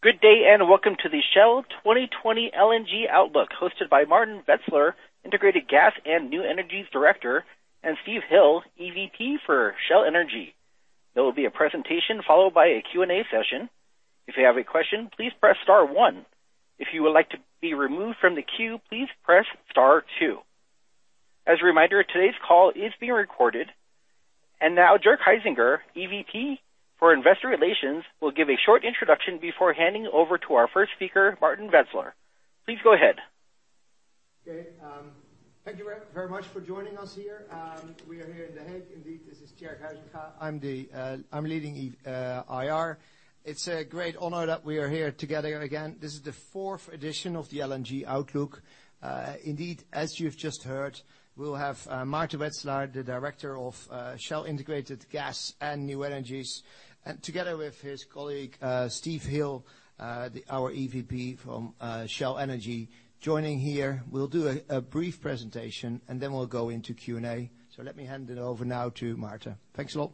Good day, welcome to the Shell 2020 LNG Outlook, hosted by Maarten Wetselaar, Integrated Gas and New Energies Director, and Steve Hill, EVP for Shell Energy. There will be a presentation followed by a Q&A session. If you have a question, please press star one. If you would like to be removed from the queue, please press star two. As a reminder, today's call is being recorded. Now, Tjerk Huysinga, EVP for Investor Relations, will give a short introduction before handing over to our first speaker, Maarten Wetselaar. Please go ahead. Okay. Thank you very much for joining us here. We are here in The Hague. Indeed, this is Tjerk Huysinga. I'm the.. I'm leading IR. It's a great honor that we are here together again. This is the fourth edition of the LNG Outlook. Indeed, as you've just heard, we'll have Maarten Wetselaar, the Director of Shell Integrated Gas and New Energies, and together with his colleague, Steve Hill, our EVP from Shell Energy, joining here. We'll do a brief presentation and then we'll go into Q&A. Let me hand it over now to Maarten. Thanks a lot.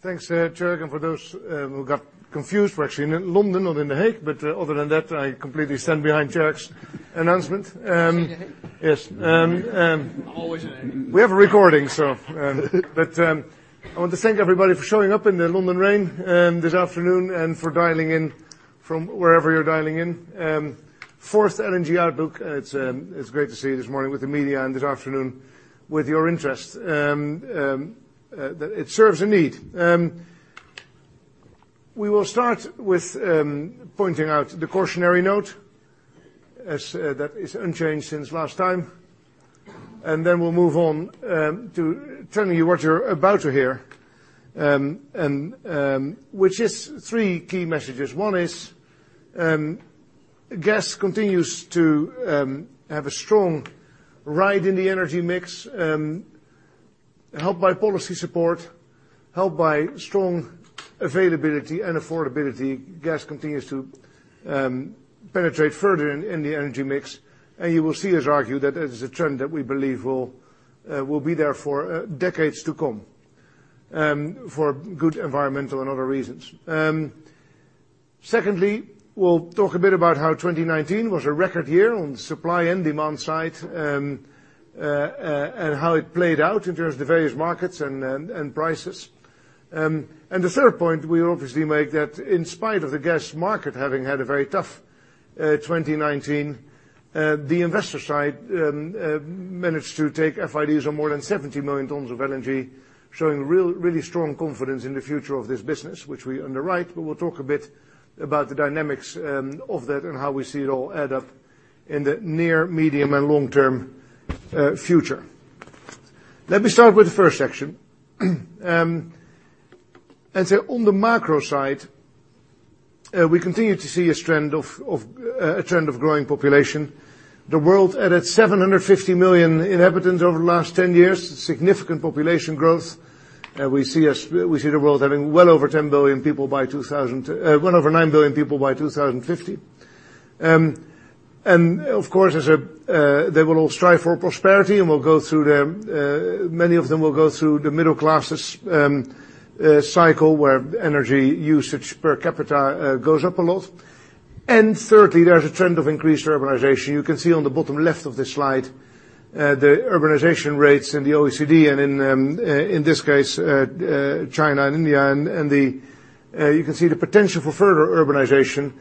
Thanks, Tjerk. For those who got confused, we're actually in London, not in The Hague. Other than that, I completely stand behind Tjerk's announcement. In The Hague. Yes. Always in The Hague. We have a recording. I want to thank everybody for showing up in the London rain this afternoon and for dialing in from wherever you're dialing in. Fourth LNG Outlook, it's great to see you this morning with the media and this afternoon with your interest. It serves a need. We will start with pointing out the cautionary note, as that is unchanged since last time. Then we'll move on to telling you what you're about to hear, which is three key messages. One is gas continues to have a strong ride in the energy mix, helped by policy support, helped by strong availability and affordability. Gas continues to penetrate further in the energy mix. You will see us argue that that is a trend that we believe will be there for decades to come, for good environmental and other reasons. Secondly, we'll talk a bit about how 2019 was a record year on supply and demand side, and how it played out in terms of the various markets and prices. The third point we obviously make that in spite of the gas market having had a very tough 2019, the investor side managed to take FIDs on more than 70 million tons of LNG, showing really strong confidence in the future of this business, which we underwrite. We'll talk a bit about the dynamics of that and how we see it all add up in the near, medium, and long-term future. Let me start with the first section. On the macro side, we continue to see a trend of growing population. The world added 750 million inhabitants over the last 10 years, significant population growth. We see as.. We see the world having well over 10 billion people by 2050-- well over 9 billion people by 2050. Of course, they will all strive for prosperity, and many of them will go through the middle classes cycle where energy usage per capita goes up a lot. Thirdly, there is a trend of increased urbanization. You can see on the bottom left of this slide, the urbanization rates in the OECD, and in this case, China and India, and you can see the potential for further urbanization.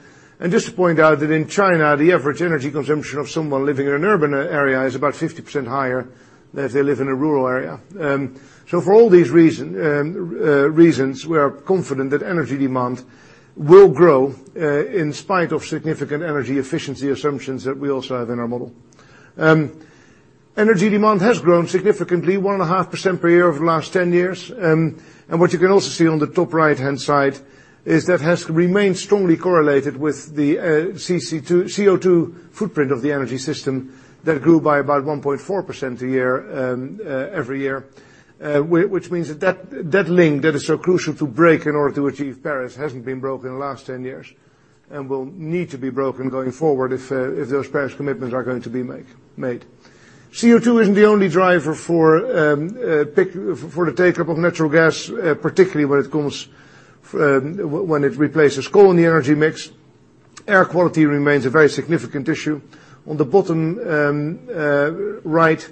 Just to point out that in China, the average energy consumption of someone living in an urban area is about 50% higher than if they live in a rural area. For all these reasons, we are confident that energy demand will grow in spite of significant energy efficiency assumptions that we also have in our model. Energy demand has grown significantly, 1.5% per year over the last 10 years. What you can also see on the top right-hand side is that has remained strongly correlated with the CC2— CO2 footprint of the energy system that grew by about 1.4% a year, every year. Which means that link that is so crucial to break in order to achieve Paris hasn't been broken in the last 10 years and will need to be broken going forward if those Paris commitments are going to be made. CO2 isn't the only driver for the take-up of natural gas, particularly when it replaces coal in the energy mix. Air quality remains a very significant issue. On the bottom right,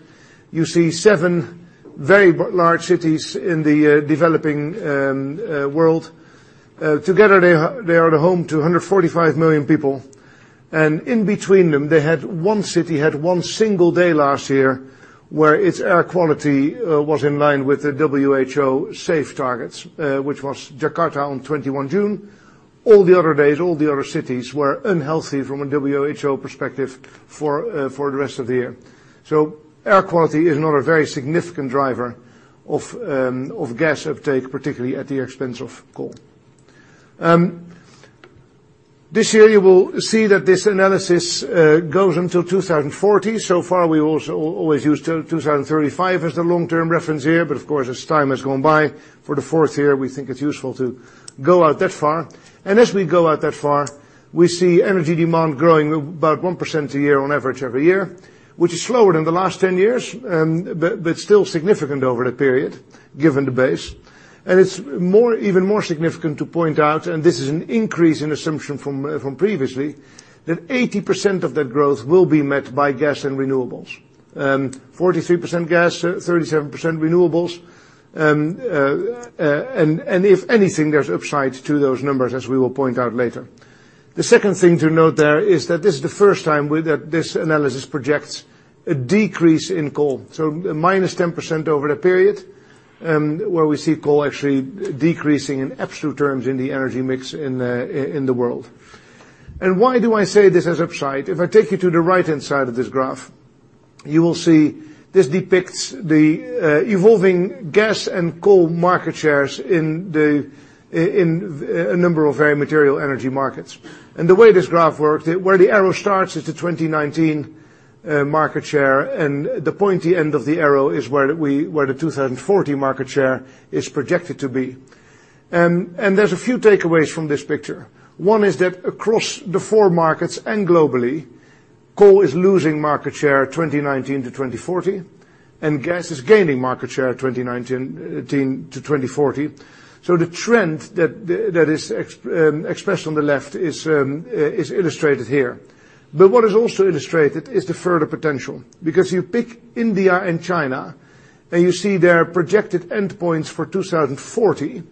you see seven very large cities in the developing world. Together, they are the home to 145 million people. In between them, they had one city, had one single day last year where its air quality was in line with the WHO safe targets, which was Jakarta on 21 June. All the other days, all the other cities were unhealthy from a WHO perspective for the rest of the year. Air quality is not a very significant driver of gas uptake, particularly at the expense of coal. This year, you will see that this analysis goes until 2040. Far, we always used 2035 as the long-term reference year. Of course, as time has gone by, for the fourth year, we think it's useful to go out that far. As we go out that far, we see energy demand growing about 1% a year, on average every year, which is slower than the last 10 years, but still significant over the period, given the base. It's even more significant to point out, and this is an increase in assumption from previously, that 80% of that growth will be met by gas and renewables, 43% gas, 37% renewables. And if anything, there's upside to those numbers, as we will point out later. The second thing to note there is that this is the first time this analysis projects a decrease in coal. -10% over the period, where we see coal actually decreasing in absolute terms in the energy mix in the world. Why do I say this as upside? If I take you to the right-hand side of this graph, you will see this depicts the evolving gas and coal market shares in a number of very material energy markets. The way this graph works, where the arrow starts is the 2019 market share, and the pointy end of the arrow is where the 2040 market share is projected to be. There's a few takeaways from this picture. One is that across the four markets and globally, coal is losing market share 2019 to 2040, and gas is gaining market share 2019 to 2040. The trend that is expressed on the left is illustrated here. What is also illustrated is the further potential. You pick India and China, and you see their projected endpoints for 2040.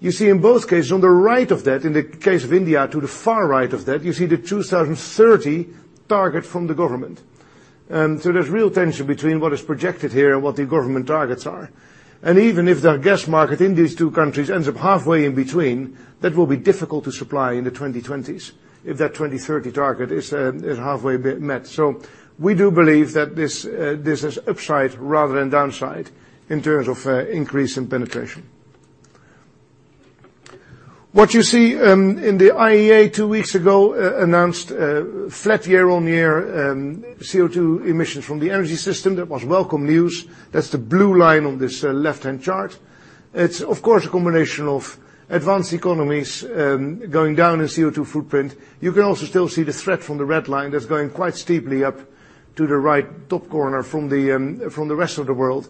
You see in both cases, on the right of that, in the case of India, to the far right of that, you see the 2030 target from the government. There's real tension between what is projected here and what the government targets are. Even if their gas market in these two countries ends up halfway in between, that will be difficult to supply in the 2020s if that 2030 target is halfway met. We do believe that this is upside rather than downside in terms of increase in penetration. What you see in the IEA two weeks ago announced flat year-on-year CO2 emissions from the energy system. That was welcome news. That's the blue line on this left-hand chart. It's of course, a combination of advanced economies going down in CO2 footprint. You can also still see the threat from the red line that's going quite steeply up to the right top corner from the rest of the world.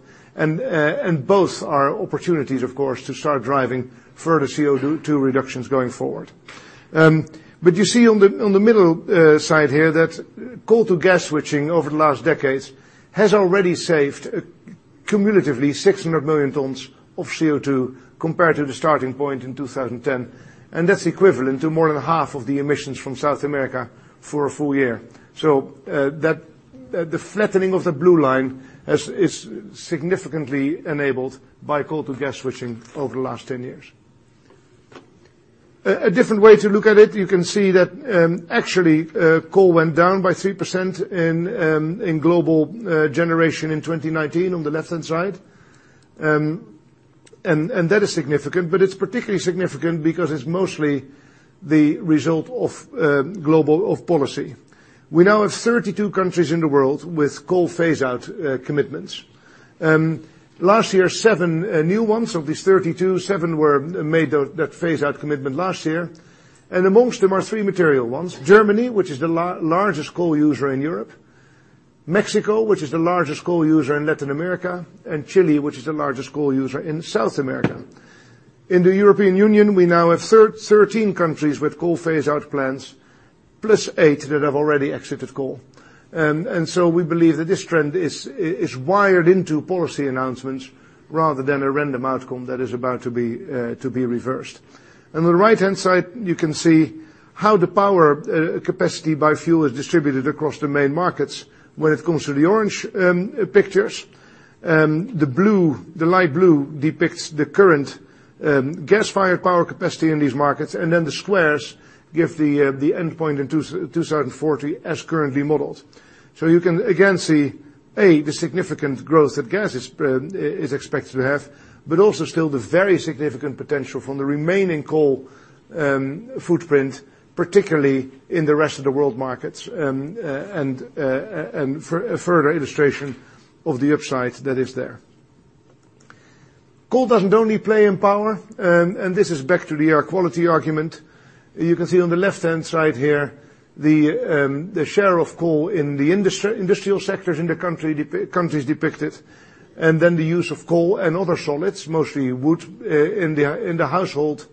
Both are opportunities, of course, to start driving further CO2 reductions going forward. You see on the middle side here that coal-to-gas switching over the last decades has already saved cumulatively 600 million tons of CO2 compared to the starting point in 2010. That's equivalent to more than half of the emissions from South America for a full year. So, the flattening of the blue line is significantly enabled by coal-to-gas switching over the last 10 years. A different way to look at it, you can see that actually, coal went down by 3% in global generation in 2019 on the left-hand side. That is significant, but it's particularly significant because it's mostly the result of policy. We now have 32 countries in the world with coal phase out commitments. And last year, seven new ones. Of these 32, seven made that phase out commitment last year. Amongst them are three material ones, Germany, which is the largest coal user in Europe, Mexico, which is the largest coal user in Latin America, and Chile, which is the largest coal user in South America. In the European Union, we now have 13 countries with coal phase out plans, plus eight that have already exited coal. And so, we believe that this trend is wired into policy announcements rather than a random outcome that is about to be reversed. On the right-hand side, you can see how the power capacity by fuel is distributed across the main markets when it comes to the orange pictures. The light blue depicts the current gas-fired power capacity in these markets, and then the squares give the endpoint in 2040 as currently modeled. So, you can again, see, A, the significant growth that gas is expected to have, but also still the very significant potential from the remaining coal footprint, particularly in the rest of the world markets, and a further illustration of the upside that is there. Coal doesn't only play in power, this is back to the air quality argument. You can see on the left-hand side here the share of coal in the industrial sectors in the countries depicted, then the use of coal and other solids, mostly wood, in the household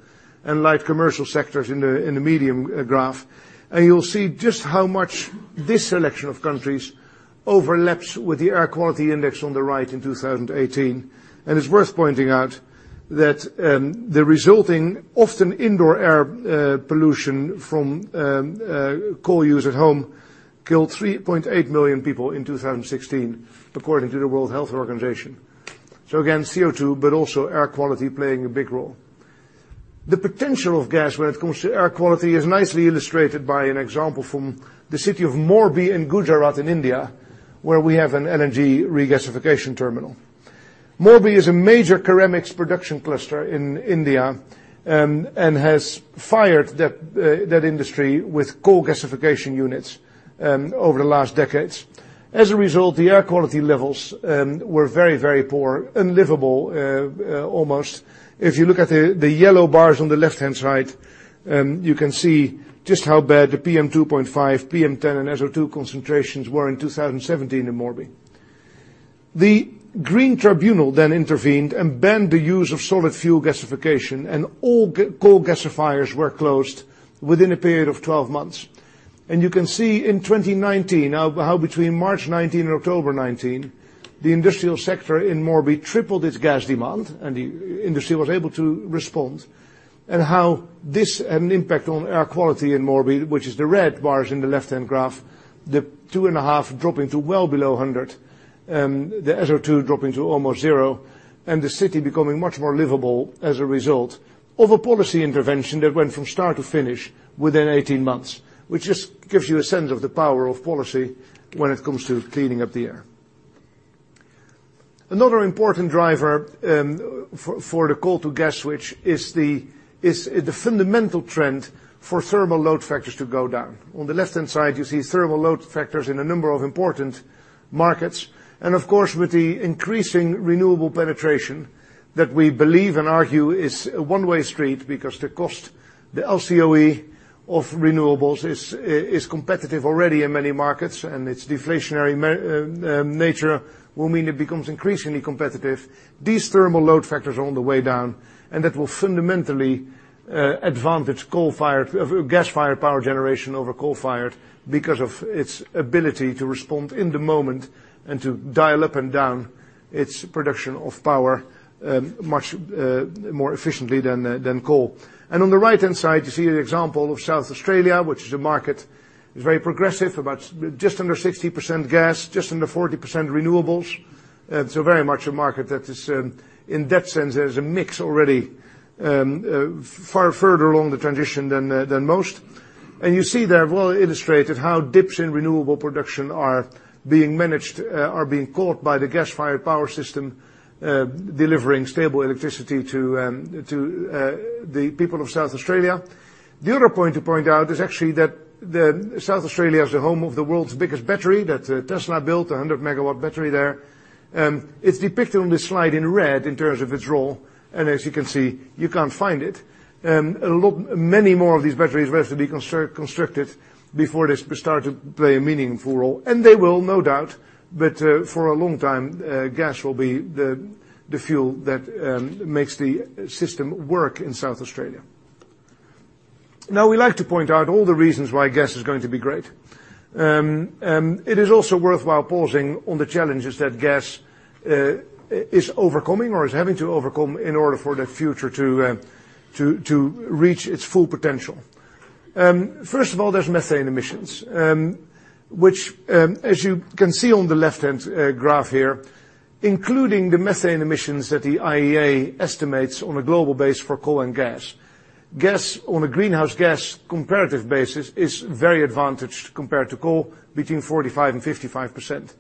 and light commercial sectors in the medium graph. You'll see just how much this selection of countries overlaps with the Air Quality Index on the right in 2018. It's worth pointing out that the resulting often indoor air pollution from coal use at home killed 3.8 million people in 2016, according to the World Health Organization. Again, CO2, but also air quality playing a big role. The potential of gas when it comes to air quality is nicely illustrated by an example from the city of Morbi in Gujarat in India, where we have an LNG regasification terminal. Morbi is a major ceramics production cluster in India, and has fired that industry with coal gasification units over the last decades. As a result, the air quality levels were very poor, unlivable almost. If you look at the yellow bars on the left-hand side, you can see just how bad the PM2.5, PM10, and SO2 concentrations were in 2017 in Morbi. The Green Tribunal intervened and banned the use of solid fuel gasification, and all coal gasifiers were closed within a period of 12 months. You can see in 2019 how between March 2019 and October 2019, the industrial sector in Morbi tripled its gas demand, and the industry was able to respond, and how this had an impact on air quality in Morbi, which is the red bars in the left-hand graph, the 2.5 dropping to well below 100, the SO2 dropping to almost zero, and the city becoming much more livable as a result of a policy intervention that went from start to finish within 18 months, which just gives you a sense of the power of policy when it comes to cleaning up the air. Another important driver for the coal-to-gas switch is the fundamental trend for thermal load factors to go down. On the left-hand side, you see thermal load factors in a number of important markets. Of course, with the increasing renewable penetration that we believe and argue is a one-way street because the cost, the LCOE of renewables is competitive already in many markets, and its deflationary nature will mean it becomes increasingly competitive. These thermal load factors are on the way down, and that will fundamentally advantage gas-fired power generation over coal-fired because of its ability to respond in the moment and to dial up and down its production of power much more efficiently than coal. On the right-hand side, you see an example of South Australia, which is a market. It's very progressive, about just under 60% gas, just under 40% renewables. It's very much a market that is, in that sense, there's a mix already further along the transition than most. You see there well illustrated how dips in renewable production are being managed, are being caught by the gas-fired power system, delivering stable electricity to the people of South Australia. The other point to point out is actually that South Australia is the home of the world's biggest battery that Tesla built, a 100-MW battery there. It's depicted on this slide in red in terms of its role, and as you can see, you can't find it. Many more of these batteries will have to be constructed before this will start to play a meaningful role. They will, no doubt, but for a long time, gas will be the fuel that makes the system work in South Australia. Now, we like to point out all the reasons why gas is going to be great. It is also worthwhile pausing on the challenges that gas is overcoming or is having to overcome in order for the future to reach its full potential. First of all, there's methane emissions, which, as you can see on the left-hand graph here, including the methane emissions that the IEA estimates on a global base for coal and gas. Gas on a greenhouse gas comparative basis is very advantaged compared to coal, between 45% and 55%.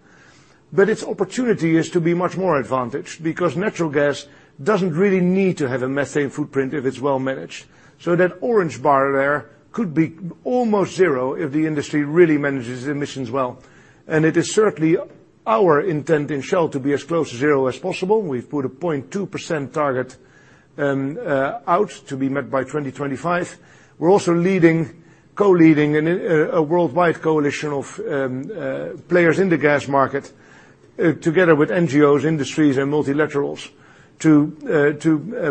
Its opportunity is to be much more advantaged because natural gas doesn't really need to have a methane footprint if it's well managed. That orange bar there could be almost zero if the industry really manages emissions well. It is certainly our intent in Shell to be as close to zero as possible. We've put a 0.2% target out to be met by 2025. We're also co-leading a worldwide coalition of players in the gas market together with NGOs, industries, and multilaterals to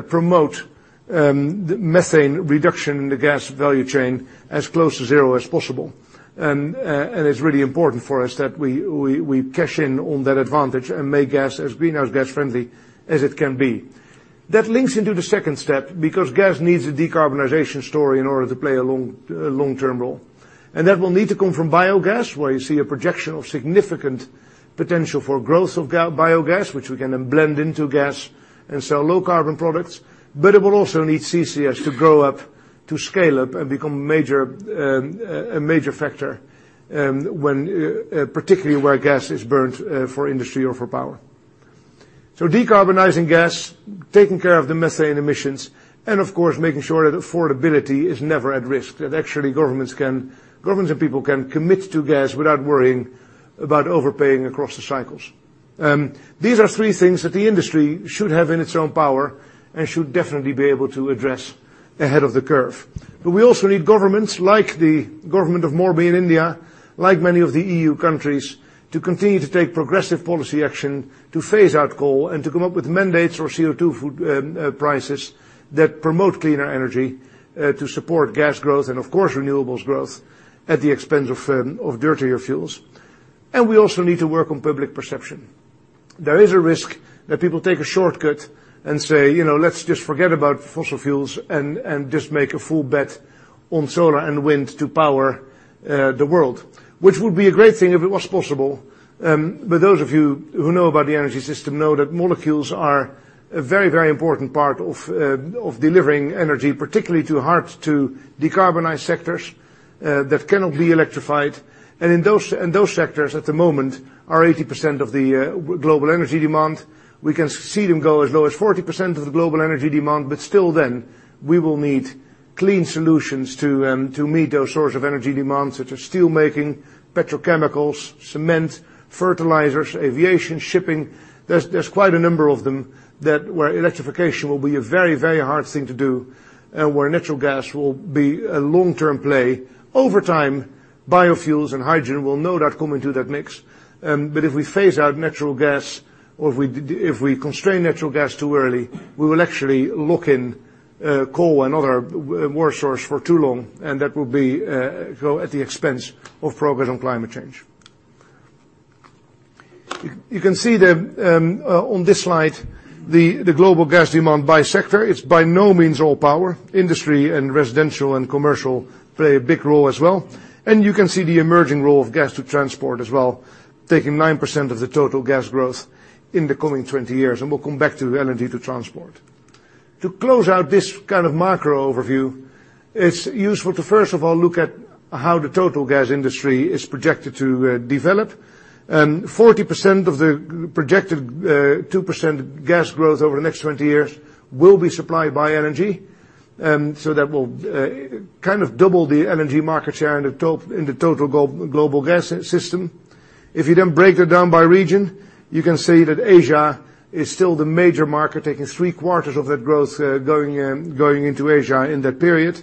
promote methane reduction in the gas value chain as close to zero as possible. It's really important for us that we cash in on that advantage and make gas as greenhouse gas friendly as it can be. That links into the second step because gas needs a decarbonization story in order to play a long-term role. That will need to come from biogas, where you see a projection of significant potential for growth of biogas, which we can then blend into gas and sell low carbon products. It will also need CCS to grow up, to scale up and become a major factor particularly where gas is burnt for industry or for power. Decarbonizing gas, taking care of the methane emissions, and of course, making sure that affordability is never at risk, that actually governments and people can commit to gas without worrying about overpaying across the cycles. These are three things that the industry should have in its own power and should definitely be able to address ahead of the curve. We also need governments like the government of Morbi in India, like many of the EU countries, to continue to take progressive policy action to phase out coal and to come up with mandates or CO2 prices that promote cleaner energy to support gas growth and, of course, renewables growth at the expense of dirtier fuels. We also need to work on public perception. There is a risk that people take a shortcut and say, "Let's just forget about fossil fuels and just make a full bet on solar and wind to power the world." Which would be a great thing if it was possible. And for those of you who know about the energy system know that molecules are a very important part of delivering energy, particularly to hard-to-decarbonize sectors that cannot be electrified. Those sectors at the moment are 80% of the global energy demand. We can see them go as low as 40% of the global energy demand, but still then we will need clean solutions to meet those sorts of energy demands such as steel making, petrochemicals, cement, fertilizers, aviation, shipping. There's quite a number of them where electrification will be a very, very hard thing to do, where natural gas will be a long-term play. Over time, biofuels and hydrogen will no doubt come into that mix. If we phase out natural gas or if we constrain natural gas too early, we will actually lock in coal and other more source for too long, and that will go at the expense of progress on climate change. You can see on this slide, the global gas demand by sector. It's by no means all power. Industry and residential and commercial play a big role as well. And you can see the emerging role of gas to transport as well, taking 9% of the total gas growth in the coming 20 years. We'll come back to LNG to transport. To close out this kind of macro overview, it's useful to first of all look at how the total gas industry is projected to develop. And 40% of the projected 2% gas growth over the next 20 years will be supplied by energy. That will kind of double the energy market share in the total global gas system. If you then break it down by region, you can see that Asia is still the major market, taking three quarters of that growth going into Asia in that period.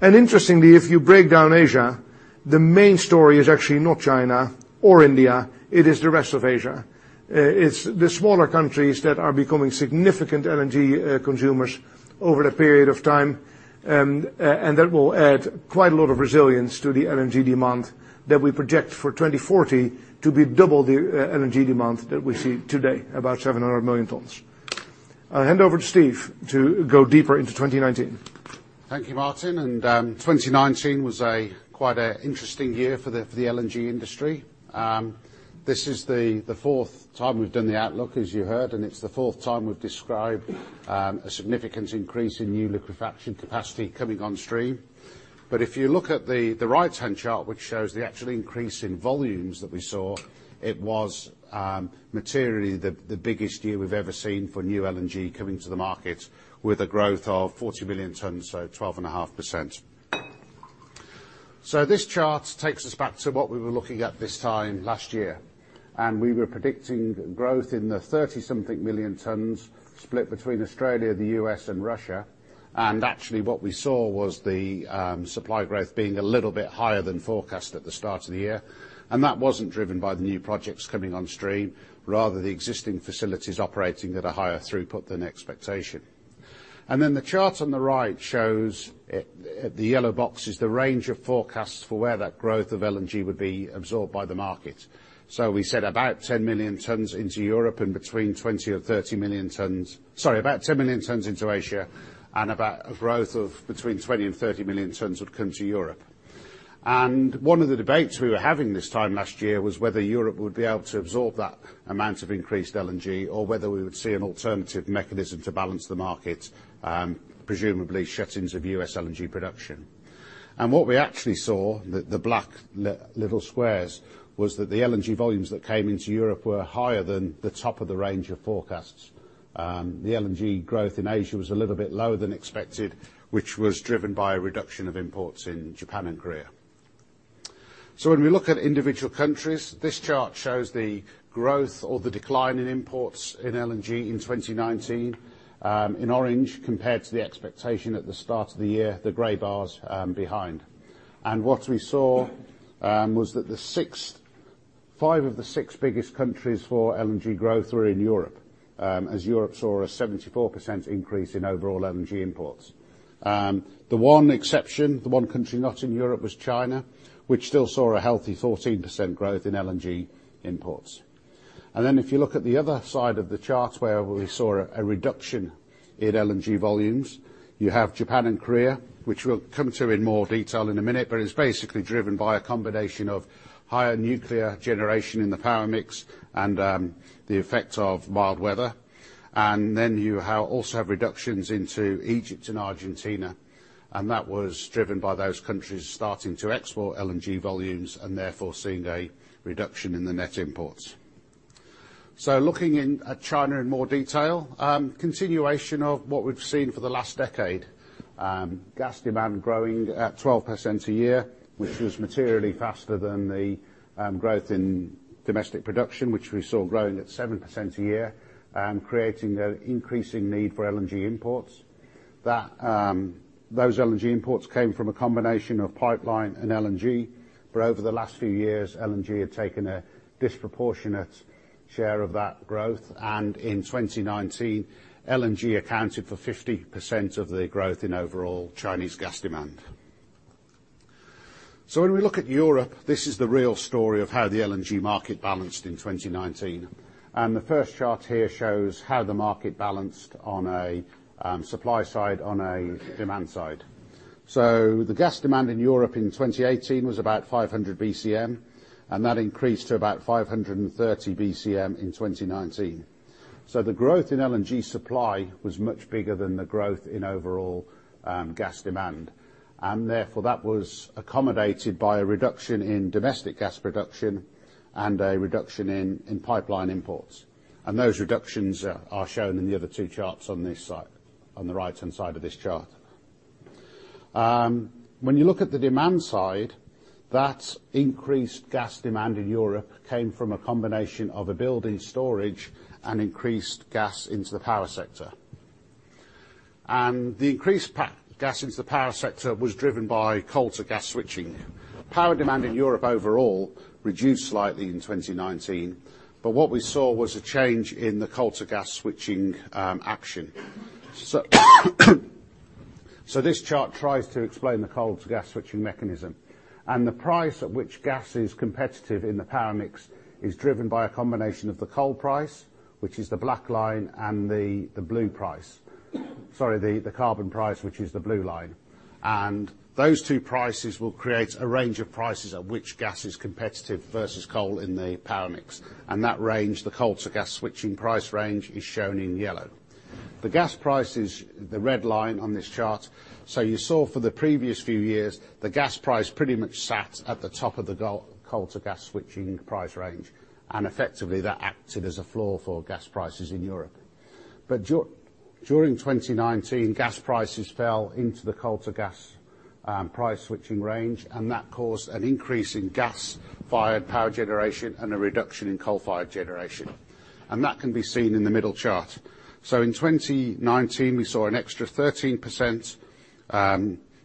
Interestingly, if you break down Asia, the main story is actually not China or India, it is the rest of Asia. It's the smaller countries that are becoming significant LNG consumers over the period of time. That will add quite a lot of resilience to the LNG demand that we project for 2040 to be double the LNG demand that we see today, about 700 million tons. I hand over to Steve to go deeper into 2019. Thank you, Maarten. 2019 was quite an interesting year for the LNG industry. This is the fourth time we've done the outlook, as you heard, and it's the fourth time we've described a significant increase in new liquefaction capacity coming on stream. If you look at the right-hand chart, which shows the actual increase in volumes that we saw, it was materially the biggest year we've ever seen for new LNG coming to the market with a growth of 40 million tons, so 12.5%. This chart takes us back to what we were looking at this time last year. We were predicting growth in the 30 something million tons split between Australia, the U.S., and Russia. Actually what we saw was the supply growth being a little bit higher than forecast at the start of the year. And that wasn't driven by the new projects coming on stream, rather the existing facilities operating at a higher throughput than expectation. The chart on the right shows, the yellow box is the range of forecasts for where that growth of LNG would be absorbed by the market. We said about 10 million tons into Asia and about a growth of between 20 and 30 million tons would come to Europe. One of the debates we were having this time last year was whether Europe would be able to absorb that amount of increased LNG or whether we would see an alternative mechanism to balance the market, presumably shut-ins of U.S. LNG production. And what we actually saw, the black little squares, was that the LNG volumes that came into Europe were higher than the top of the range of forecasts. The LNG growth in Asia was a little bit lower than expected, which was driven by a reduction of imports in Japan and Korea. When we look at individual countries, this chart shows the growth or the decline in imports in LNG in 2019, in orange compared to the expectation at the start of the year, the gray bars, behind. What we saw was that five of the six biggest countries for LNG growth were in Europe, as Europe saw a 74% increase in overall LNG imports. The one exception, the one country not in Europe was China, which still saw a healthy 14% growth in LNG imports. If you look at the other side of the chart where we saw a reduction in LNG volumes, you have Japan and Korea, which we'll come to in more detail in a minute, but it's basically driven by a combination of higher nuclear generation in the power mix and the effect of mild weather. You also have reductions into Egypt and Argentina, and that was driven by those countries starting to export LNG volumes and therefore seeing a reduction in the net imports. Looking at China in more detail, continuation of what we've seen for the last decade. Gas demand growing at 12% a year, which was materially faster than the growth in domestic production, which we saw growing at 7% a year, creating an increasing need for LNG imports. Those LNG imports came from a combination of pipeline and LNG, where over the last few years, LNG had taken a disproportionate share of that growth. In 2019, LNG accounted for 50% of the growth in overall Chinese gas demand. When we look at Europe, this is the real story of how the LNG market balanced in 2019. The first chart here shows how the market balanced on a supply side, on a demand side. The gas demand in Europe in 2018 was about 500 BCM, and that increased to about 530 BCM in 2019. The growth in LNG supply was much bigger than the growth in overall gas demand. Therefore, that was accommodated by a reduction in domestic gas production and a reduction in pipeline imports. And those reductions are shown in the other two charts on this side, on the right-hand side of this chart. When you look at the demand side, that increased gas demand in Europe came from a combination of a build in storage and increased gas into the power sector. The increased gas into the power sector was driven by coal-to-gas switching. Power demand in Europe overall reduced slightly in 2019, but what we saw was a change in the coal-to-gas switching action. So, this chart tries to explain the coal-to-gas switching mechanism, and the price at which gas is competitive in the power mix is driven by a combination of the coal price, which is the black line, and the blue price. Sorry, the carbon price, which is the blue line. Those two prices will create a range of prices at which gas is competitive versus coal in the power mix. That range, the coal-to-gas switching price range, is shown in yellow. The gas price is the red line on this chart. So you saw for the previous few years, the gas price pretty much sat at the top of the coal-to-gas switching price range. Effectively, that acted as a floor for gas prices in Europe. During 2019, gas prices fell into the coal-to-gas price switching range, and that caused an increase in gas-fired power generation and a reduction in coal-fired generation. That can be seen in the middle chart. In 2019, we saw an extra 13%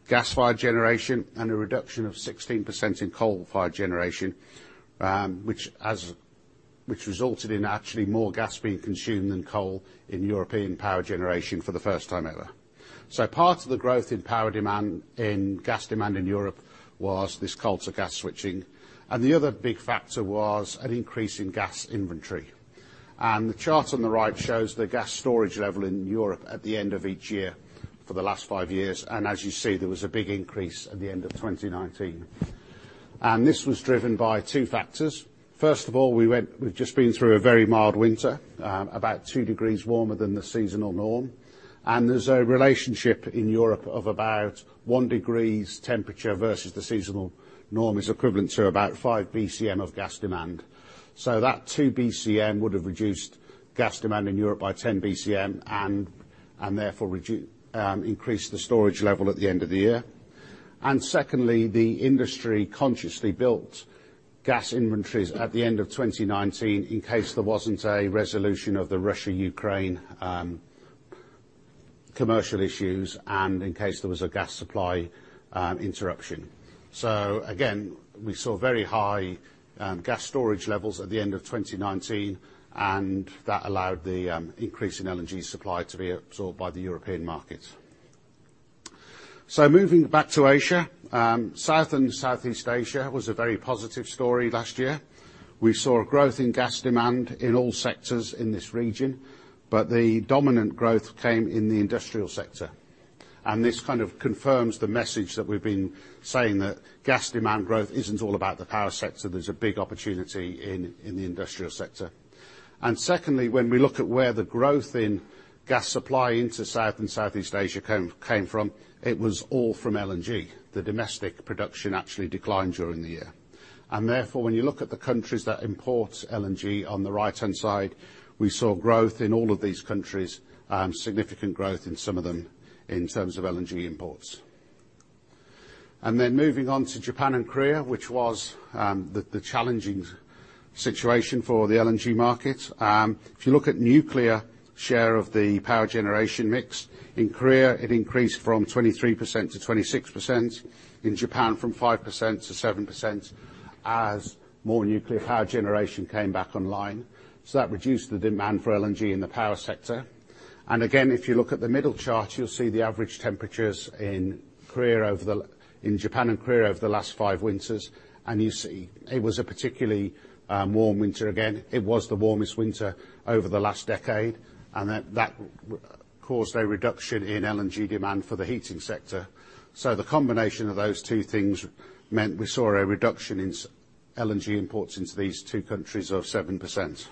gas-fired generation and a reduction of 16% in coal-fired generation, which resulted in actually more gas being consumed than coal in European power generation for the first time ever. Part of the growth in power demand and gas demand in Europe was this coal-to-gas switching, and the other big factor was an increase in gas inventory. The chart on the right shows the gas storage level in Europe at the end of each year for the last five years. As you see, there was a big increase at the end of 2019. This was driven by two factors. First of all, we've just been through a very mild winter, about 2 degrees warmer than the seasonal norm. And there's a relationship in Europe of about one degree temperature versus the seasonal norm is equivalent to about five BCM of gas demand. So that two BCM would have reduced gas demand in Europe by 10 BCM, and therefore increased the storage level at the end of the year. And secondly, the industry consciously built gas inventories at the end of 2019 in case there wasn't a resolution of the Russia/Ukraine commercial issues and in case there was a gas supply interruption. So again, we saw very high gas storage levels at the end of 2019, and that allowed the increase in LNG supply to be absorbed by the European markets. So, moving back to Asia, South and Southeast Asia was a very positive story last year. We saw a growth in gas demand in all sectors in this region, but the dominant growth came in the industrial sector. This kind of confirms the message that we've been saying, that gas demand growth isn't all about the power sector. There's a big opportunity in the industrial sector. Secondly, when we look at where the growth in gas supply into South and Southeast Asia came from, it was all from LNG. The domestic production actually declined during the year. And therefore, when you look at the countries that import LNG on the right-hand side, we saw growth in all of these countries, significant growth in some of them in terms of LNG imports. Then moving on to Japan and Korea, which was the challenging situation for the LNG markets. If you look at nuclear share of the power generation mix in Korea, it increased from 23% to 26%, in Japan from 5% to 7%, as more nuclear power generation came back online. That reduced the demand for LNG in the power sector. Again, if you look at the middle chart, you will see the average temperatures in Japan and Korea over the last five winters. You see it was a particularly warm winter. Again, it was the warmest winter over the last decade, and that caused a reduction in LNG demand for the heating sector. The combination of those two things meant we saw a reduction in LNG imports into these two countries of 7%.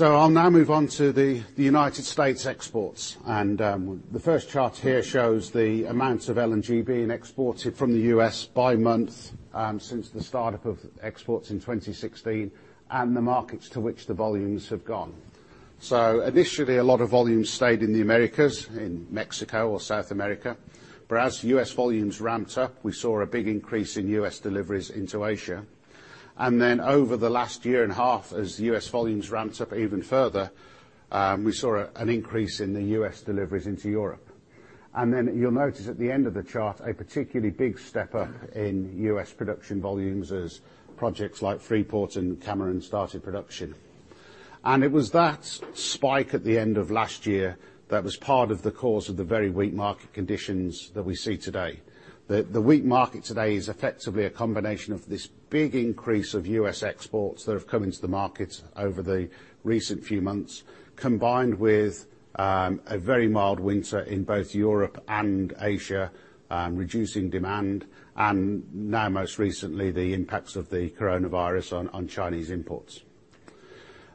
I will now move on to the United States exports, and the first chart here shows the amount of LNG being exported from the U.S. by month since the startup of exports in 2016, and the markets to which the volumes have gone. Initially, a lot of volumes stayed in the Americas, in Mexico or South America. As U.S. volumes ramped up, we saw a big increase in U.S. deliveries into Asia. Over the last year and a half, as U.S. volumes ramped up even further, we saw an increase in the U.S. deliveries into Europe. You'll notice at the end of the chart, a particularly big step up in U.S. production volumes as projects like Freeport and Cameron started production. It was that spike at the end of last year that was part of the cause of the very weak market conditions that we see today. That the weak market today is effectively a combination of this big increase of U.S. exports that have come into the market over the recent few months, combined with a very mild winter in both Europe and Asia, reducing demand, and now most recently, the impacts of the coronavirus on Chinese imports.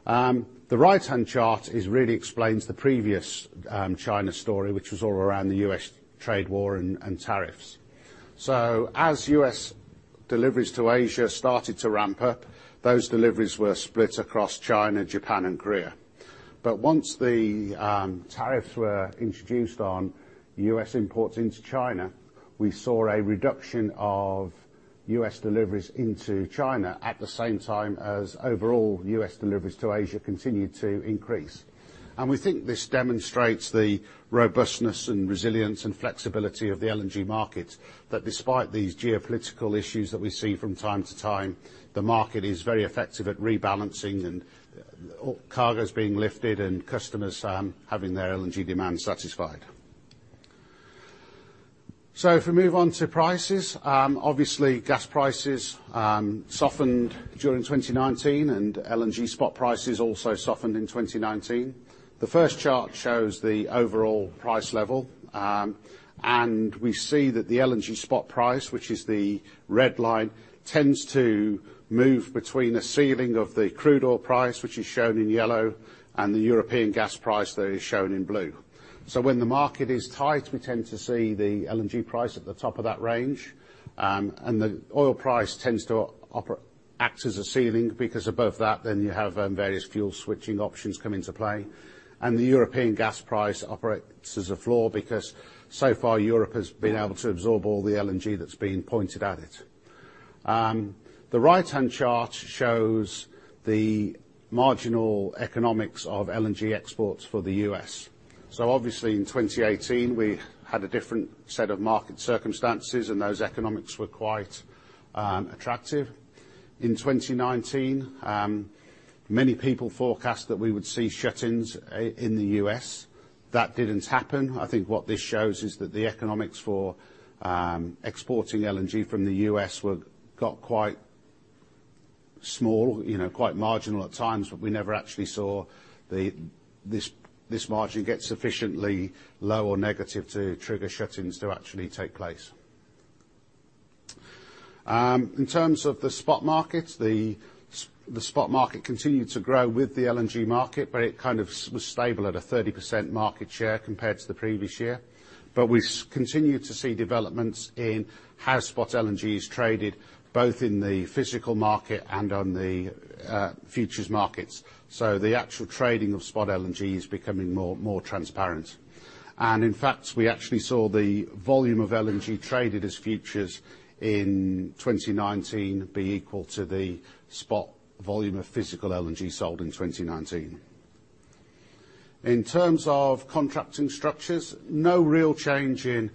The right-hand chart really explains the previous China story, which was all around the U.S. trade war and tariffs. As U.S. deliveries to Asia started to ramp up, those deliveries were split across China, Japan, and Korea. Once the tariffs were introduced on U.S. imports into China, we saw a reduction of U.S. deliveries into China at the same time as overall U.S. deliveries to Asia continued to increase. We think this demonstrates the robustness and resilience and flexibility of the LNG market. That despite these geopolitical issues that we see from time to time, the market is very effective at rebalancing and cargos being lifted and customers are having their LNG demand satisfied. So if we move on to prices. Obviously, gas prices softened during 2019 and LNG spot prices also softened in 2019. The first chart shows the overall price level. We see that the LNG spot price, which is the red line, tends to move between the ceiling of the crude oil price, which is shown in yellow, and the European gas price that is shown in blue. When the market is tight, we tend to see the LNG price at the top of that range. The oil price tends to act as a ceiling because above that, then you have various fuel switching options come into play. The European gas price operates as a floor because so far, Europe has been able to absorb all the LNG that's been pointed at it. The right-hand chart shows the marginal economics of LNG exports for the U.S. Obviously in 2018, we had a different set of market circumstances and those economics were quite attractive. In 2019, many people forecast that we would see shut-ins in the U.S. That didn't happen. I think what this shows is that the economics for exporting LNG from the U.S. got quite small, quite marginal at times, but we never actually saw this margin get sufficiently low or negative to trigger shut-ins to actually take place. In terms of the spot market, the spot market continued to grow with the LNG market, but it kind of was stable at a 30% market share compared to the previous year. But we continue to see developments in how spot LNG is traded, both in the physical market and on the futures markets. The actual trading of spot LNG is becoming more transparent. In fact, we actually saw the volume of LNG traded as futures in 2019 be equal to the spot volume of physical LNG sold in 2019. In terms of contracting structures, no real change in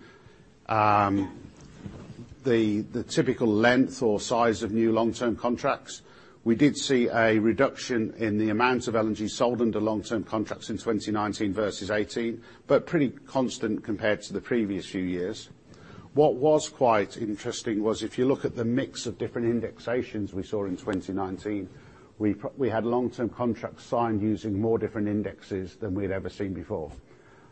the typical length or size of new long-term contracts. We did see a reduction in the amount of LNG sold under long-term contracts in 2019 versus 2018, but pretty constant compared to the previous few years. What was quite interesting was if you look at the mix of different indexations we saw in 2019, we had long-term contracts signed using more different indexes than we'd ever seen before.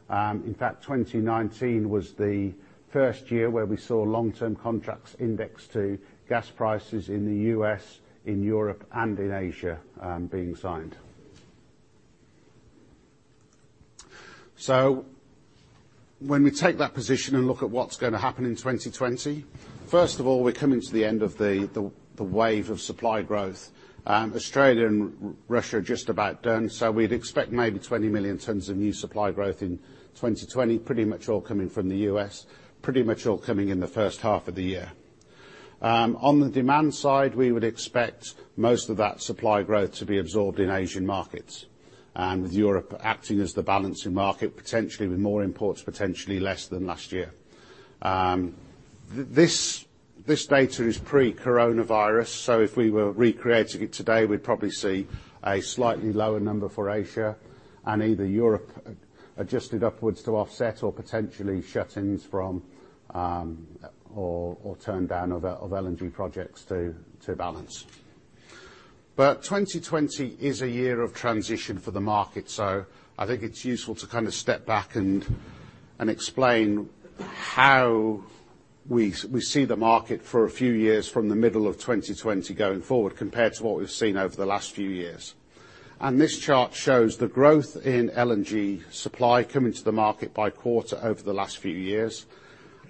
In fact, 2019 was the first year where we saw long-term contracts indexed to gas prices in the U.S., in Europe, and in Asia being signed. When we take that position and look at what's going to happen in 2020, first of all, we're coming to the end of the wave of supply growth. Australia and Russia are just about done. We'd expect maybe 20 million tons of new supply growth in 2020, pretty much all coming from the U.S., pretty much all coming in the first half of the year. On the demand side, we would expect most of that supply growth to be absorbed in Asian markets, and with Europe acting as the balancing market, potentially with more imports, potentially less than last year. This data is pre-Coronavirus, if we were recreating it today, we'd probably see a slightly lower number for Asia and either Europe adjusted upwards to offset or potentially shut-ins from or turn down of LNG projects to balance. 2020 is a year of transition for the market. I think it's useful to kind of step back and explain how we see the market for a few years from the middle of 2020 going forward compared to what we've seen over the last few years. This chart shows the growth in LNG supply coming to the market by quarter over the last few years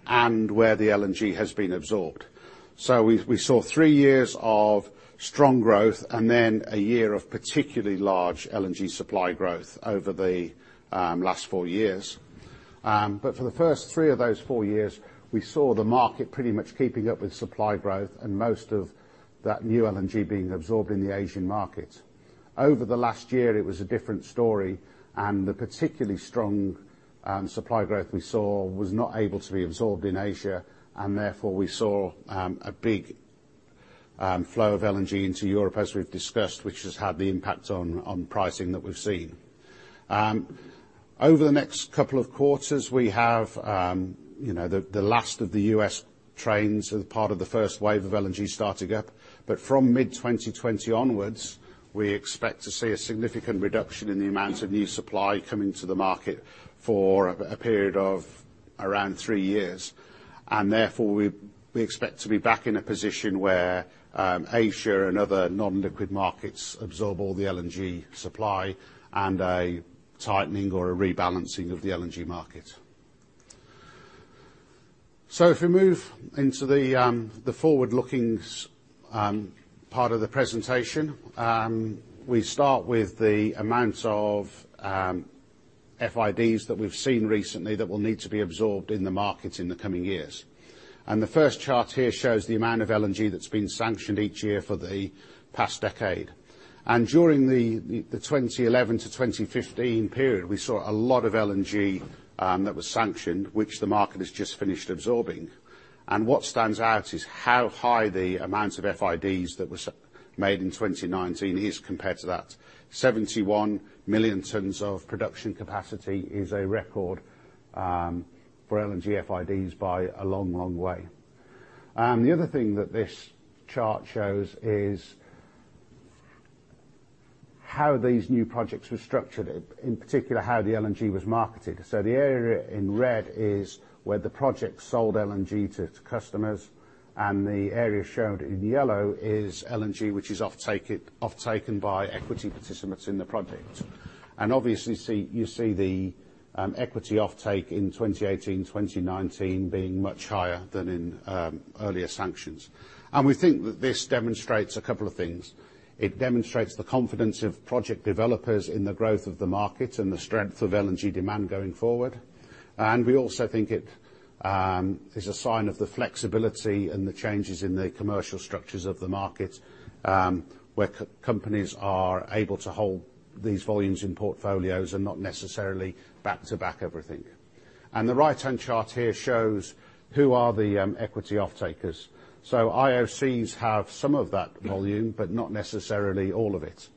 and where the LNG has been absorbed. We saw three years of strong growth and then a year of particularly large LNG supply growth over the last four years. For the first three of those four years, we saw the market pretty much keeping up with supply growth and most of that new LNG being absorbed in the Asian markets. Over the last year, it was a different story, and the particularly strong supply growth we saw was not able to be absorbed in Asia, and therefore we saw a big flow of LNG into Europe, as we've discussed, which has had the impact on pricing that we've seen. Over the next couple of quarters, we have the last of the U.S. trains as part of the first wave of LNG starting up. From mid-2020 onwards, we expect to see a significant reduction in the amount of new supply coming to the market for a period of around three years. Therefore, we expect to be back in a position where Asia and other non-liquid markets absorb all the LNG supply and a tightening or a rebalancing of the LNG market. If we move into the forward-looking part of the presentation. We start with the amount of FIDs that we've seen recently that will need to be absorbed in the market in the coming years. The first chart here shows the amount of LNG that's been sanctioned each year for the past decade. During the 2011 to 2015 period, we saw a lot of LNG that was sanctioned, which the market has just finished absorbing. What stands out is how high the amount of FIDs that was made in 2019 is compared to that. 71 million tons of production capacity is a record for LNG FIDs by a long way. The other thing that this chart shows is how these new projects were structured, in particular, how the LNG was marketed. The area in red is where the project sold LNG to its customers, the area shown in yellow is LNG, which is offtaken by equity participants in the project. Obviously, you see the equity offtake in 2018, 2019 being much higher than in earlier sanctions. We think that this demonstrates a couple of things. It demonstrates the confidence of project developers in the growth of the market and the strength of LNG demand going forward. We also think it is a sign of the flexibility and the changes in the commercial structures of the market, where companies are able to hold these volumes in portfolios and not necessarily back-to-back everything. The right-hand chart here shows who are the equity offtakers. IOCs have some of that volume, but not necessarily all of it.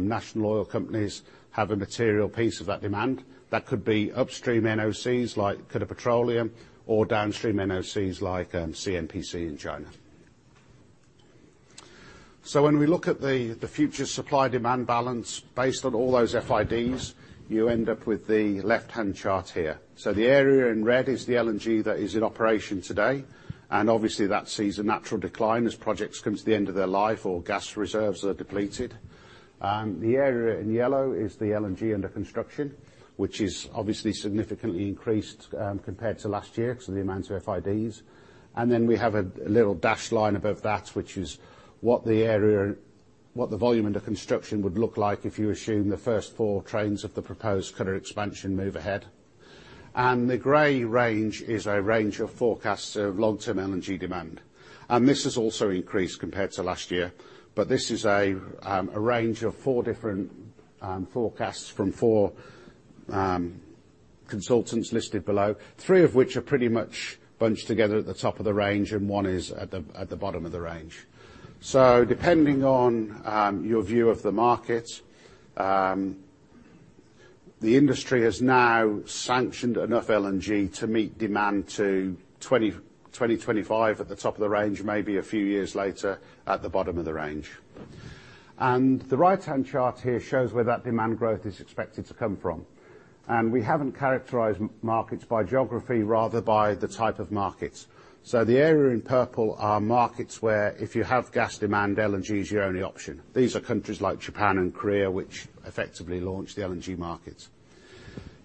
National oil companies have a material piece of that demand. That could be upstream NOCs like Petroleum, or downstream NOCs like CNPC in China. When we look at the future supply-demand balance based on all those FIDs, you end up with the left-hand chart here. The area in red is the LNG that is in operation today. Obviously, that sees a natural decline as projects come to the end of their life or gas reserves are depleted. The area in yellow is the LNG under construction, which is obviously significantly increased compared to last year because of the amount of FIDs. We have a little dashed line above that, which is what the volume under construction would look like if you assume the first four trains of the proposed Qatar expansion move ahead. The gray range is a range of forecasts of long-term LNG demand. This has also increased compared to last year, but this is a range of four different forecasts from four consultants listed below. Three of which are pretty much bunched together at the top of the range, and one is at the bottom of the range. Depending on your view of the market, the industry has now sanctioned enough LNG to meet demand to 2025 at the top of the range, maybe a few years later at the bottom of the range. The right-hand chart here shows where that demand growth is expected to come from. We haven't characterized markets by geography, rather by the type of markets. The area in purple are markets where if you have gas demand, LNG is your only option. These are countries like Japan and Korea, which effectively launched the LNG markets.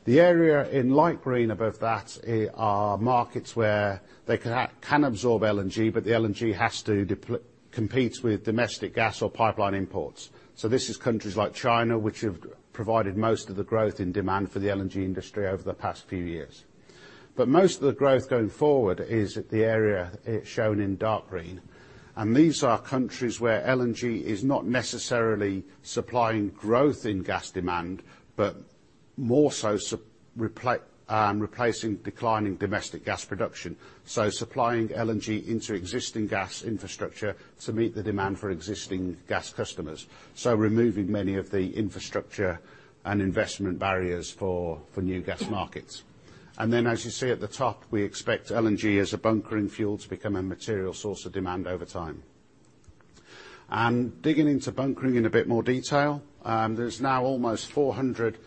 The area in light green above that are markets where they can absorb LNG, but the LNG has to compete with domestic gas or pipeline imports. This is countries like China, which have provided most of the growth in demand for the LNG industry over the past few years. Most of the growth going forward is at the area shown in dark green. These are countries where LNG is not necessarily supplying growth in gas demand, but more so replacing declining domestic gas production. Supplying LNG into existing gas infrastructure to meet the demand for existing gas customers. Removing many of the infrastructure and investment barriers for new gas markets. Then, as you see at the top, we expect LNG as a bunkering fuel to become a material source of demand over time. Digging into bunkering in a bit more detail, there's now almost 400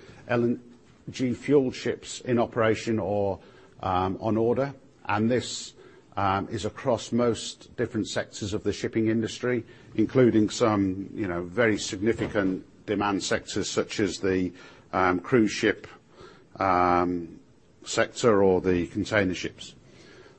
LNG-fueled ships in operation or on order. This is across most different sectors of the shipping industry, including some very significant demand sectors such as the cruise ship sector or the container ships.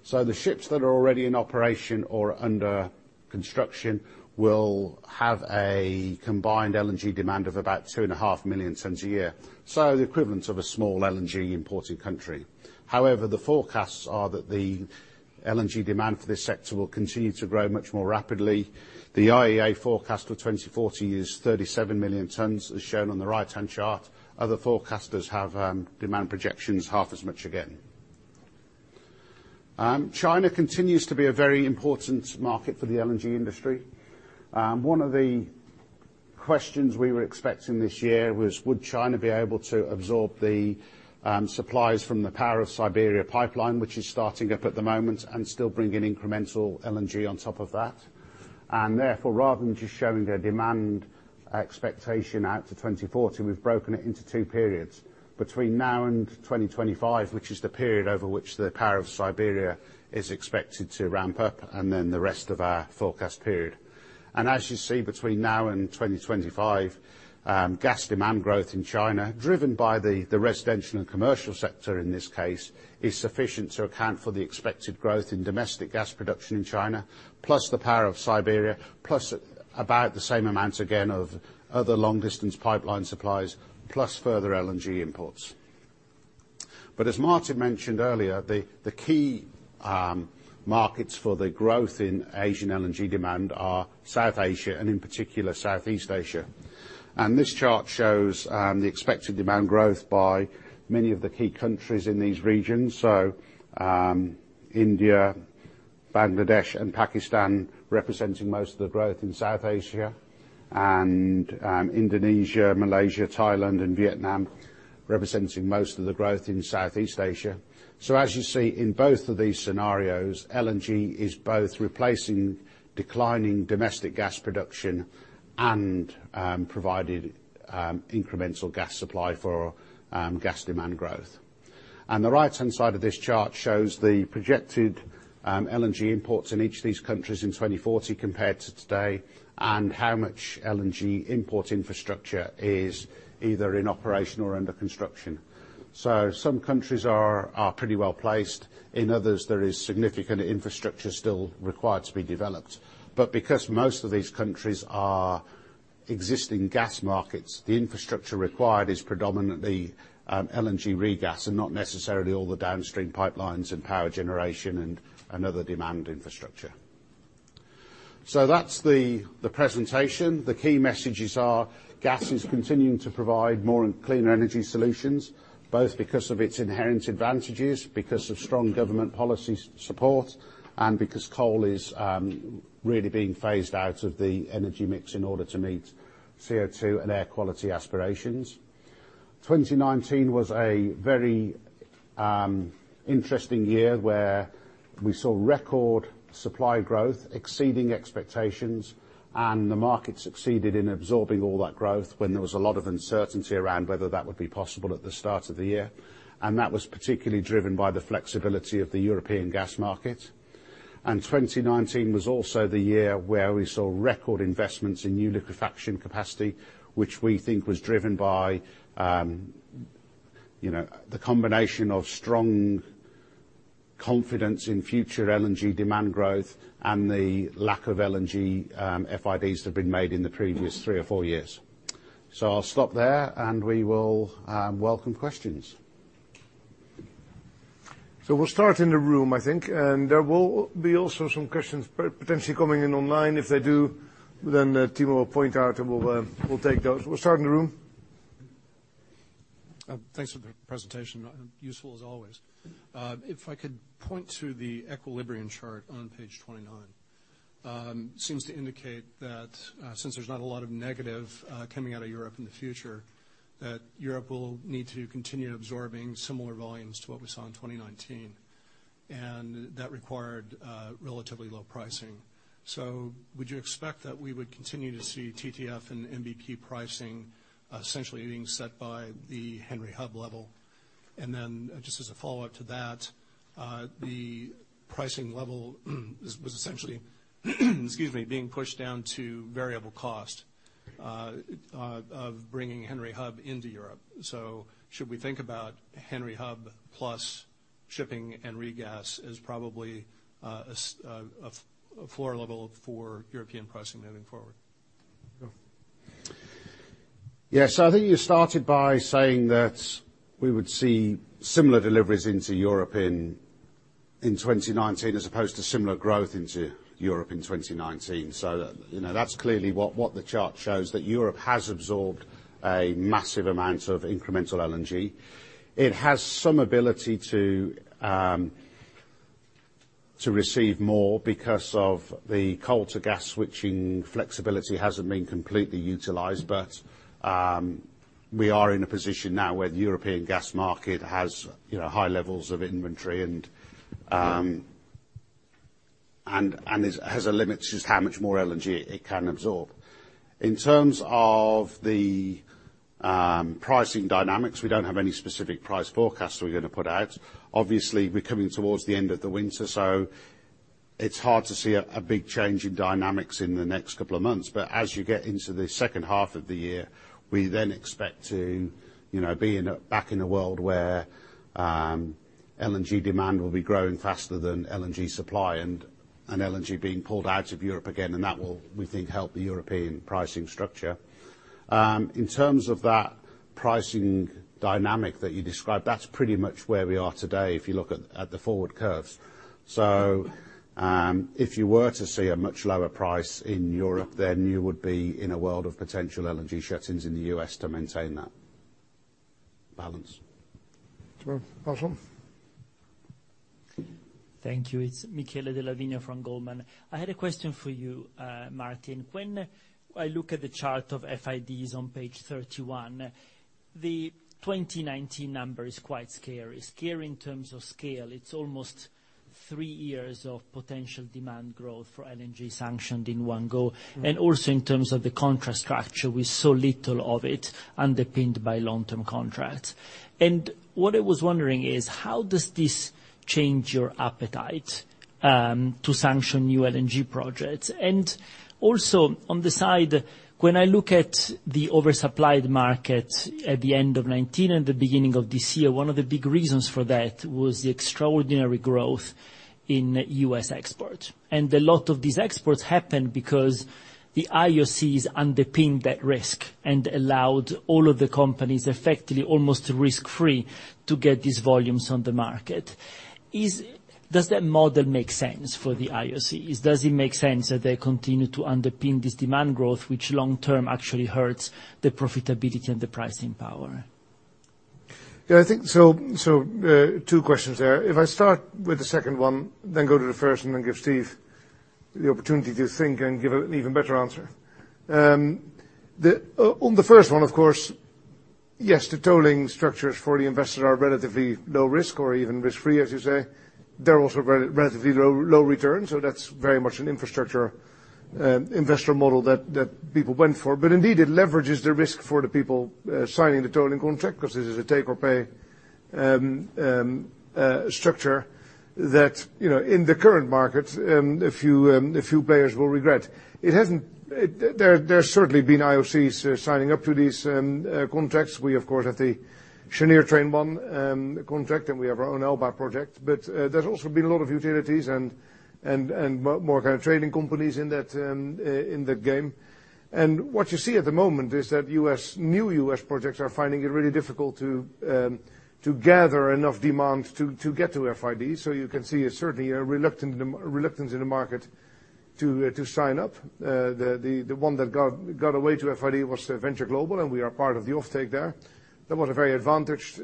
The ships that are already in operation or under construction will have a combined LNG demand of about 2.5 million tons a year. The equivalent of a small LNG imported country. However, the forecasts are that the LNG demand for this sector will continue to grow much more rapidly. The IEA forecast for 2040 is 37 million tons, as shown on the right-hand chart. Other forecasters have demand projections half as much again. China continues to be a very important market for the LNG industry. One of the questions we were expecting this year was would China be able to absorb the supplies from the Power of Siberia pipeline, which is starting up at the moment, and still bring in incremental LNG on top of that. Rather than just showing their demand expectation out to 2040, we've broken it into two periods. Between now and 2025, which is the period over which the Power of Siberia is expected to ramp up, and then the rest of our forecast period. As you see, between now and 2025, gas demand growth in China, driven by the residential and commercial sector in this case, is sufficient to account for the expected growth in domestic gas production in China, plus the Power of Siberia, plus about the same amount again of other long-distance pipeline supplies, plus further LNG imports. As Maarten mentioned earlier, the key markets for the growth in Asian LNG demand are South Asia and in particular, Southeast Asia. This chart shows the expected demand growth by many of the key countries in these regions. India, Bangladesh, and Pakistan representing most of the growth in South Asia. Indonesia, Malaysia, Thailand, and Vietnam representing most of the growth in Southeast Asia. As you see in both of these scenarios, LNG is both replacing declining domestic gas production and providing incremental gas supply for gas demand growth. The right-hand side of this chart shows the projected LNG imports in each of these countries in 2040 compared to today, and how much LNG import infrastructure is either in operation or under construction. Some countries are pretty well-placed. In others, there is significant infrastructure still required to be developed. Because most of these countries are existing gas markets, the infrastructure required is predominantly LNG regas and not necessarily all the downstream pipelines and power generation and other demand infrastructure. That's the presentation. The key messages are gas is continuing to provide more and cleaner energy solutions, both because of its inherent advantages, because of strong government policy support, and because coal is really being phased out of the energy mix in order to meet CO2 and air quality aspirations. 2019 was a very interesting year where we saw record supply growth exceeding expectations, and the market succeeded in absorbing all that growth when there was a lot of uncertainty around whether that would be possible at the start of the year. That was particularly driven by the flexibility of the European gas market. 2019 was also the year where we saw record investments in new liquefaction capacity, which we think was driven by the combination of strong confidence in future LNG demand growth and the lack of LNG FIDs that have been made in the previous three to four years. I'll stop there and we will welcome questions. We'll start in the room, I think, and there will be also some questions potentially coming in online. If they do, the team will point out and we'll take those. We'll start in the room. Thanks for the presentation. Useful as always. If I could point to the equilibrium chart on page 29. Seems to indicate that since there's not a lot of negative coming out of Europe in the future, that Europe will need to continue absorbing similar volumes to what we saw in 2019. That required relatively low pricing. Would you expect that we would continue to see TTF and NBP pricing essentially being set by the Henry Hub level? Just as a follow-up to that, the pricing level was essentially excuse me, being pushed down to variable cost of bringing Henry Hub into Europe. Should we think about Henry Hub plus shipping and regasification as probably a floor level for European pricing moving forward? I think you started by saying that we would see similar deliveries into Europe in 2019 as opposed to similar growth into Europe in 2019. That's clearly what the chart shows, that Europe has absorbed a massive amount of incremental LNG. It has some ability to receive more because of the coal-to-gas switching flexibility hasn't been completely utilized, but we are in a position now where the European gas market has high levels of inventory and has a limit to just how much more LNG it can absorb. In terms of the pricing dynamics, we don't have any specific price forecast we're going to put out. Obviously, we're coming towards the end of the winter, so it's hard to see a big change in dynamics in the next couple of months. As you get into the second half of the year, we then expect to be back in a world where LNG demand will be growing faster than LNG supply and LNG being pulled out of Europe again. That will, we think, help the European pricing structure. In terms of that pricing dynamic that you described, that is pretty much where we are today if you look at the forward curves. If you were to see a much lower price in Europe, then you would be in a world of potential LNG shut-ins in the U.S. to maintain that balance. Well, Russell. Thank you. It's Michele Della Vigna from Goldman. I had a question for you, Maarten. When I look at the chart of FIDs on page 31, the 2019 number is quite scary. Scary in terms of scale, it's almost three years of potential demand growth for LNG sanctioned in one go, and also in terms of the contract structure with so little of it underpinned by long-term contracts. What I was wondering is, how does this change your appetite to sanction new LNG projects? Also on the side, when I look at the oversupplied market at the end of 2019 and the beginning of this year, one of the big reasons for that was the extraordinary growth in U.S. export. A lot of these exports happened because the IOCs underpinned that risk and allowed all of the companies effectively almost risk-free to get these volumes on the market. Does that model make sense for the IOCs? Does it make sense that they continue to underpin this demand growth, which long term actually hurts the profitability and the pricing power? Yeah. Two questions there. If I start with the second one, then go to the first, and then give Steve the opportunity to think and give an even better answer. On the first one, of course, yes, the tolling structures for the investor are relatively low risk or even risk-free, as you say. They're also relatively low return. That's very much an infrastructure investor model that people went for. Indeed, it leverages the risk for the people signing the tolling contract because this is a take or pay structure that in the current market, a few players will regret. There's certainly been IOCs signing up to these contracts. We of course have the Cheniere Train 1 contract, and we have our own Elba project. There's also been a lot of utilities and more kind of trading companies in that game. What you see at the moment is that new U.S. projects are finding it really difficult to gather enough demand to get to FID. You can see certainly a reluctance in the market to sign up. The one that got away to FID was Venture Global, and we are part of the offtake there. That was a very advantaged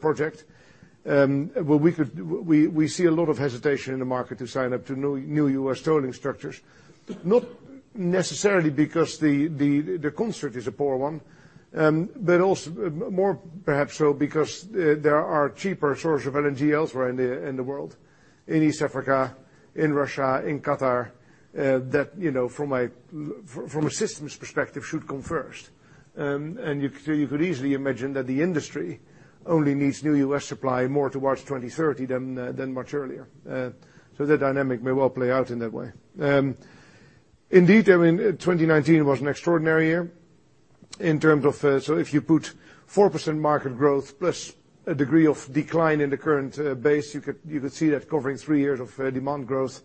project. We see a lot of hesitation in the market to sign up to new U.S. tolling structures, not necessarily because the construct is a poor one, but more perhaps so because there are cheaper source of LNG elsewhere in the world, in East Africa, in Russia, in Qatar, that from a systems perspective, should come first. You could easily imagine that the industry only needs new U.S. supply more towards 2030 than much earlier. That dynamic may well play out in that way. Indeed, 2019 was an extraordinary year in terms of, so if you put 4% market growth plus a degree of decline in the current base, you could see that covering three years of demand growth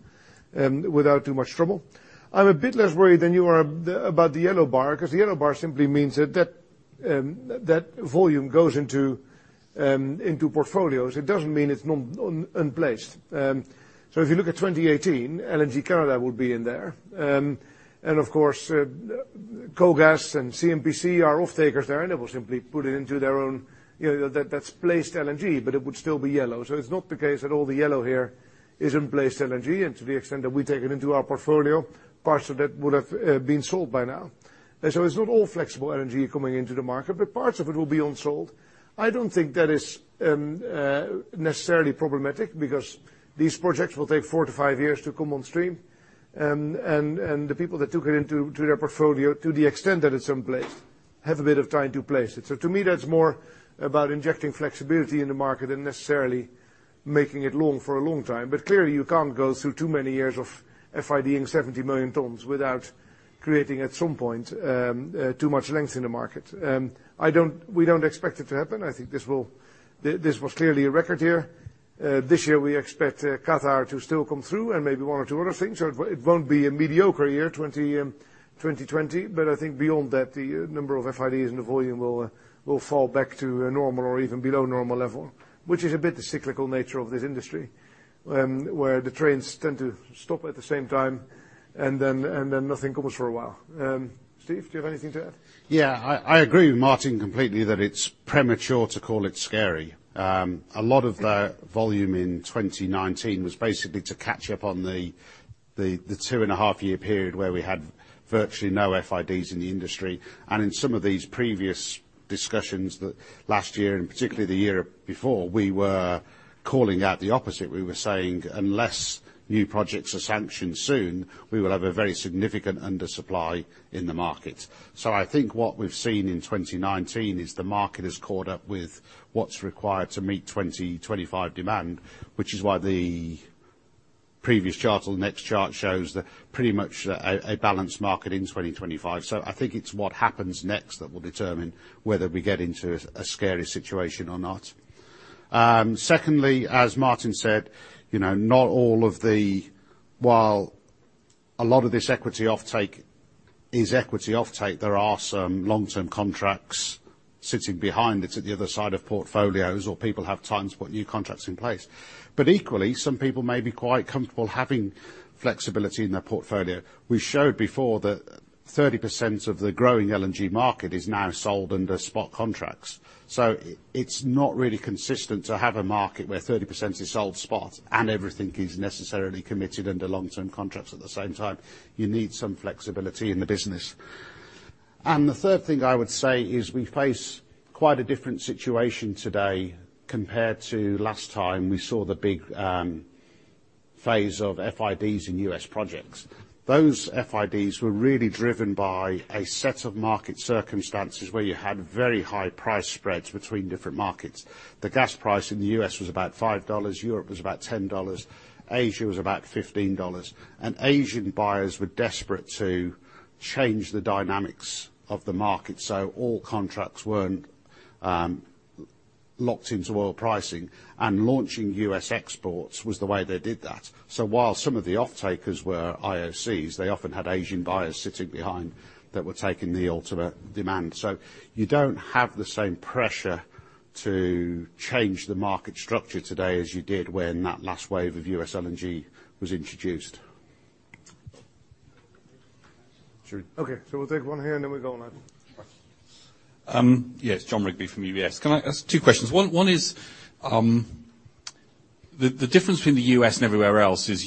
without too much trouble. I'm a bit less worried than you are about the yellow bar, because the yellow bar simply means that that volume goes into portfolios. It doesn't mean it's not unplaced. If you look at 2018, LNG Canada would be in there. And of course, KOGAS and CNPC are off-takers there, and they will simply put it into their own, that's placed LNG, but it would still be yellow. It's not the case that all the yellow here is unplaced LNG, and to the extent that we take it into our portfolio, parts of it would have been sold by now. It's not all flexible LNG coming into the market, but parts of it will be unsold. I don't think that is necessarily problematic because these projects will take four to five years to come on stream. The people that took it into their portfolio, to the extent that it's unplaced, have a bit of time to place it. To me, that's more about injecting flexibility in the market than necessarily making it long for a long time. Clearly, you can't go through too many years of FID-ing 70 million tons without creating, at some point, too much length in the market. We don't expect it to happen. I think this was clearly a record year. This year we expect Qatar to still come through and maybe one or two other things. It won't be a mediocre year, 2020. I think beyond that, the number of FIDs and the volume will fall back to a normal or even below normal level, which is a bit the cyclical nature of this industry, where the trains tend to stop at the same time, and then nothing comes for a while. Steve, do you have anything to add? Yeah. I agree with Maarten completely that it's premature to call it scary. A lot of the volume in 2019 was basically to catch up on the 2.5 year period where we had virtually no FIDs in the industry. In some of these previous discussions that last year, and particularly the year before, we were calling out the opposite. We were saying, "Unless new projects are sanctioned soon, we will have a very significant undersupply in the market". So I think what we've seen in 2019 is the market has caught up with what's required to meet 2025 demand, which is why the previous chart or the next chart shows that pretty much a balanced market in 2025. I think it's what happens next that will determine whether we get into a scary situation or not. Secondly, as Maarten said, while a lot of this equity offtake is equity offtake. There are some long-term contracts sitting behind it at the other side of portfolios, or people have time to put new contracts in place. Equally, some people may be quite comfortable having flexibility in their portfolio. We showed before that 30% of the growing LNG market is now sold under spot contracts. It's not really consistent to have a market where 30% is sold spot and everything is necessarily committed under long-term contracts at the same time. You need some flexibility in the business. The third thing I would say is we face quite a different situation today compared to last time we saw the big phase of FIDs in U.S. projects. Those FIDs were really driven by a set of market circumstances where you had very high price spreads between different markets. The gas price in the U.S. was about $5, Europe was about $10, Asia was about $15. Asian buyers were desperate to change the dynamics of the market so all contracts weren't locked into oil pricing, launching U.S. exports was the way they did that. While some of the offtakers were IOCs, they often had Asian buyers sitting behind that were taking the ultimate demand. You don't have the same pressure to change the market structure today as you did when that last wave of U.S. LNG was introduced. Okay. We'll take one here, and then we go left. Yes. Jon Rigby from UBS. Can I ask two questions? One is, the difference between the U.S. and everywhere else is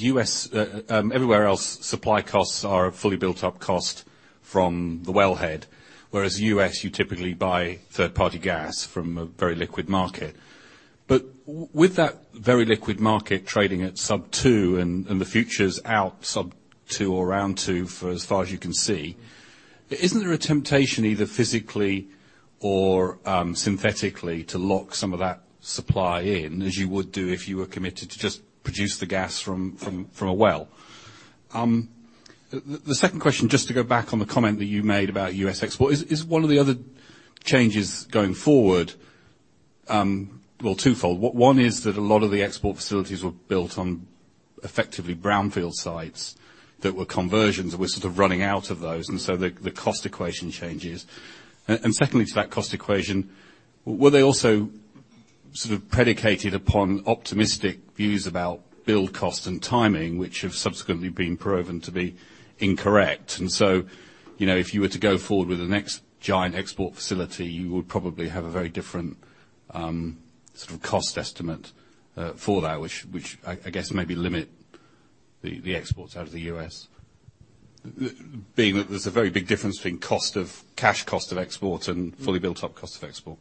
everywhere else supply costs are a fully built up cost from the wellhead, whereas U.S., you typically buy third party gas from a very liquid market. With that very liquid market trading at sub-two and the future's out sub-two or around two for as far as you can see, isn't there a temptation either physically or synthetically to lock some of that supply in, as you would do if you were committed to just produce the gas from a well? The second question, just to go back on the comment that you made about U.S. export, is one of the other changes going forward, well, twofold. One is that a lot of the export facilities were built on effectively brownfield sites that were conversions, and we're sort of running out of those, and so the cost equation changes. Secondly to that cost equation, were they also sort of predicated upon optimistic views about build cost and timing, which have subsequently been proven to be incorrect? If you were to go forward with the next giant export facility, you would probably have a very different sort of cost estimate for that, which I guess maybe limit the exports out of the U.S. There's a very big difference between cash cost of export and fully built up cost of export.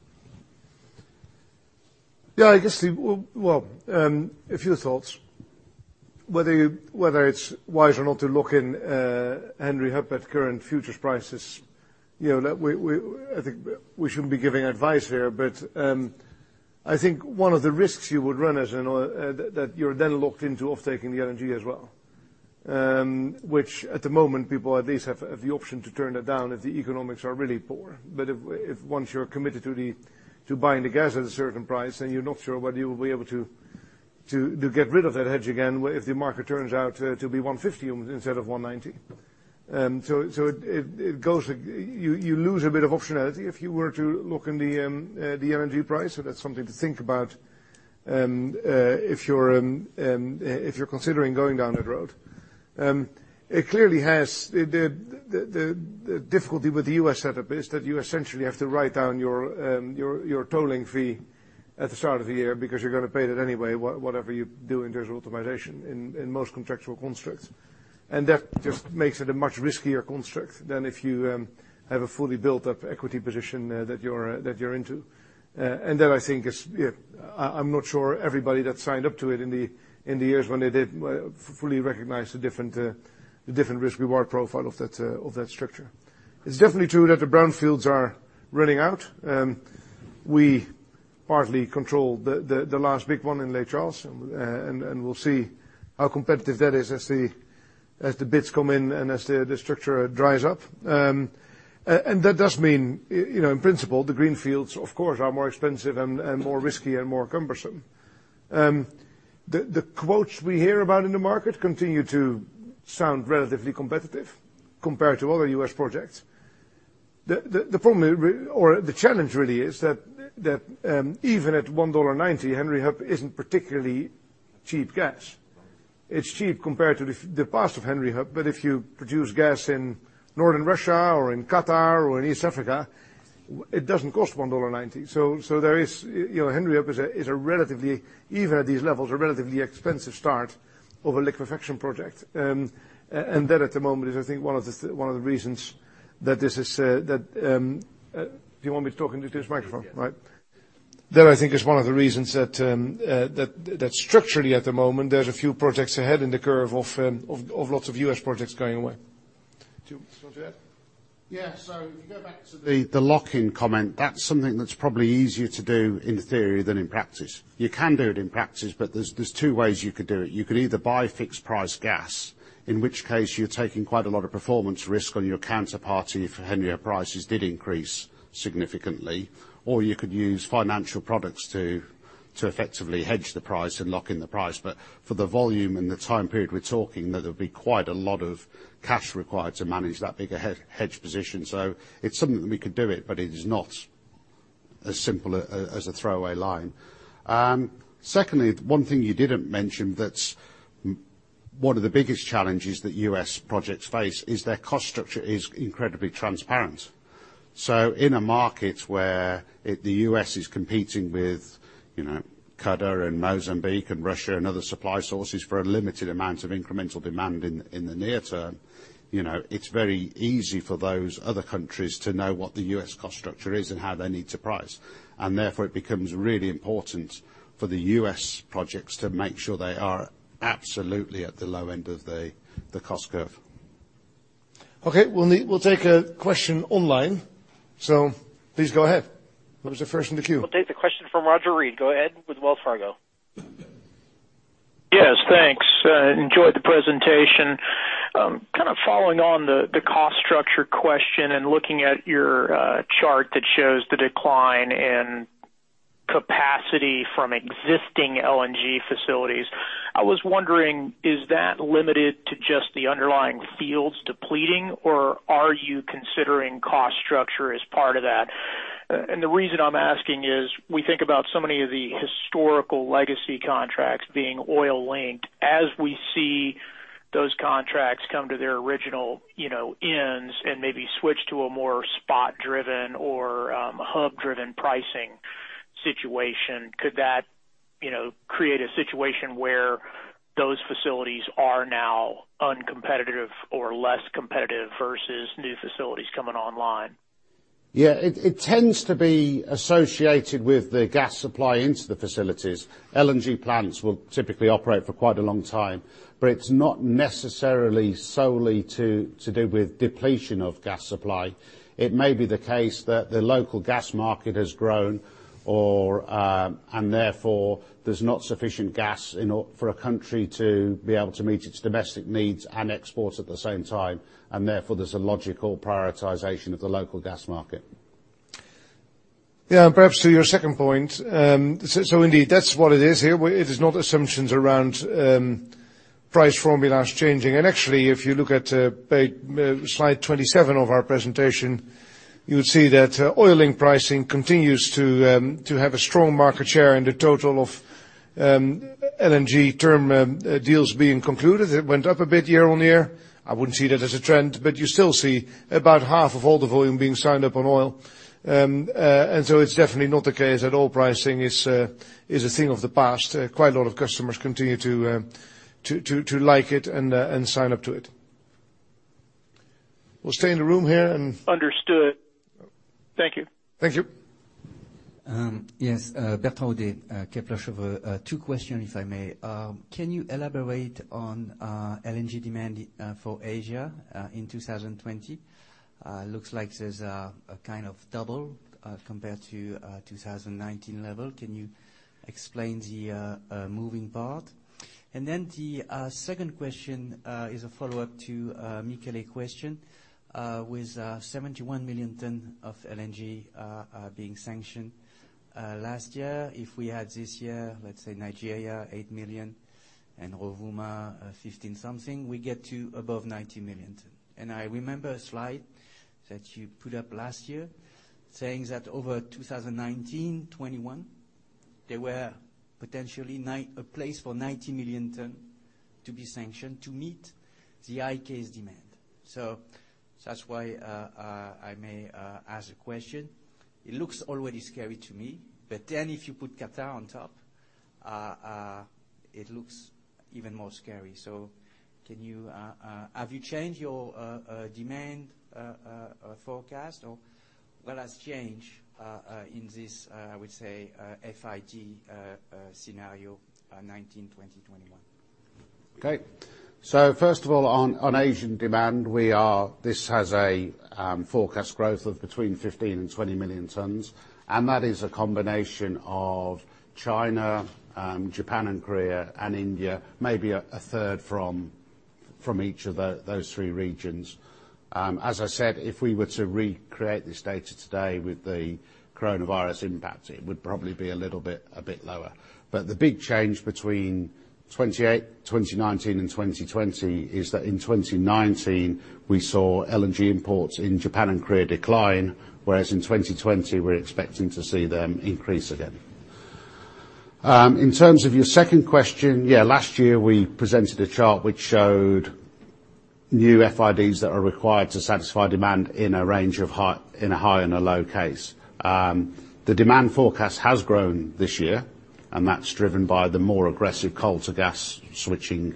I guess, well, a few thoughts. Whether it's wise or not to lock in Henry Hub at current futures prices, I think we shouldn't be giving advice here. I think one of the risks you would run is that you're then locked into off-taking the LNG as well, which at the moment, people at least have the option to turn it down if the economics are really poor. If once you're committed to buying the gas at a certain price, then you're not sure whether you'll be able to get rid of that hedge again, if the market turns out to be $1.50 instead of 1.90. You lose a bit of optionality if you were to lock in the LNG price. That's something to think about if you're considering going down that road. The difficulty with the U.S. setup is that you essentially have to write down your tolling fee at the start of the year because you're going to pay that anyway, whatever you do in terms of optimization in most contractual constructs. That just makes it a much riskier construct than if you have a fully built up equity position there that you're into. That I think is, I'm not sure everybody that signed up to it in the years when they did fully recognized the different risk reward profile of that structure. It's definitely true that the brownfields are running out. We partly control the last big one in Lake Charles, and we'll see how competitive that is as the bids come in and as the structure dries up. That does mean, in principle, the greenfields, of course, are more expensive and more risky and more cumbersome. The quotes we hear about in the market continue to sound relatively competitive compared to other U.S. projects. The problem or the challenge really is that even at $1.90, Henry Hub isn't particularly cheap gas. It's cheap compared to the past of Henry Hub, but if you produce gas in Northern Russia or in Qatar or in East Africa, it doesn't cost $1.90. Henry Hub, even at these levels, are a relatively expensive start of a liquefaction project. Do you want me talking to this microphone? Yes. Right? That I think is one of the reasons that structurally at the moment, there's a few projects ahead in the curve of lots of U.S. projects going away. Do you want to add? Yeah. If you go back to the lock-in comment, that's something that's probably easier to do in theory than in practice. You can do it in practice, but there's two ways you could do it. You could either buy fixed price gas, in which case you're taking quite a lot of performance risk on your counterparty if Henry Hub prices did increase significantly, or you could use financial products to effectively hedge the price and lock in the price. For the volume and the time period we're talking, there'll be quite a lot of cash required to manage that big a hedge position. It's something that we could do it, but it is not as simple as a throwaway line. Secondly, one thing you didn't mention that's one of the biggest challenges that U.S. projects face is their cost structure is incredibly transparent. In a market where the U.S. is competing with Qatar, and Mozambique, and Russia and other supply sources for a limited amount of incremental demand in the near term, it's very easy for those other countries to know what the U.S. cost structure is and how they need to price. Therefore, it becomes really important for the U.S. projects to make sure they are absolutely at the low end of the cost curve. Okay. We'll take a question online. Please go ahead. That was the first in the queue. We'll take the question from Roger Read. Go ahead with Wells Fargo. Yes, thanks. Enjoyed the presentation. Kind of following on the cost structure question and looking at your chart that shows the decline in capacity from existing LNG facilities. I was wondering, is that limited to just the underlying fields depleting, or are you considering cost structure as part of that? The reason I'm asking is, we think about so many of the historical legacy contracts being oil linked. As we see those contracts come to their original ends and maybe switch to a more spot-driven or hub-driven pricing situation, could that create a situation where those facilities are now uncompetitive or less competitive versus new facilities coming online? It tends to be associated with the gas supply into the facilities. LNG plants will typically operate for quite a long time. It's not necessarily solely to do with depletion of gas supply. It may be the case that the local gas market has grown. Therefore, there's not sufficient gas for a country to be able to meet its domestic needs and exports at the same time. Therefore, there's a logical prioritization of the local gas market. Yeah. Perhaps to your second point. Indeed, that's what it is here. It is not assumptions around price formulas changing. Actually, if you look at slide 27 of our presentation, you would see that oil link pricing continues to have a strong market share in the total of LNG term deals being concluded. It went up a bit year on year. I wouldn't see that as a trend, but you still see about half of all the volume being signed up on oil. It's definitely not the case that oil pricing is a thing of the past. Quite a lot of customers continue to like it and sign up to it. Understood. Thank you. Thank you. Yes. Bert Audet, Kepler Cheuvreux. Two questions, if I may. Can you elaborate on LNG demand for Asia in 2020? Looks like there's a kind of double compared to 2019 level. Can you explain the moving part? The second question is a follow-up to Michele's question. With 71 million tons of LNG being sanctioned last year, if we had this year, let's say Nigeria, 8 million and Rovuma, 15 million something, we get to above 90 million tons. I remember a slide that you put up last year saying that over 2019, 2021, there were potentially a place for 90 million tons to be sanctioned to meet the high case demand. That's why I may ask a question. It looks already scary to me, but if you put Qatar on top, it looks even more scary. Have you changed your demand forecast or what has changed in this, I would say, FID scenario 2019, 2020, 2021? First of all, on Asian demand, this has a forecast growth of between 15 and 20 million tons, and that is a combination of China, Japan and Korea and India, maybe a third from each of those three regions. As I said, if we were to recreate this data today with the coronavirus impact, it would probably be a little bit lower. The big change between 2020, 2019 and 2020 is that in 2019, we saw LNG imports in Japan and Korea decline, whereas in 2020, we're expecting to see them increase again. In terms of your second question, last year we presented a chart which showed new FIDs that are required to satisfy demand in a range of a high and a low case. The demand forecast has grown this year, and that's driven by the more aggressive coal-to-gas switching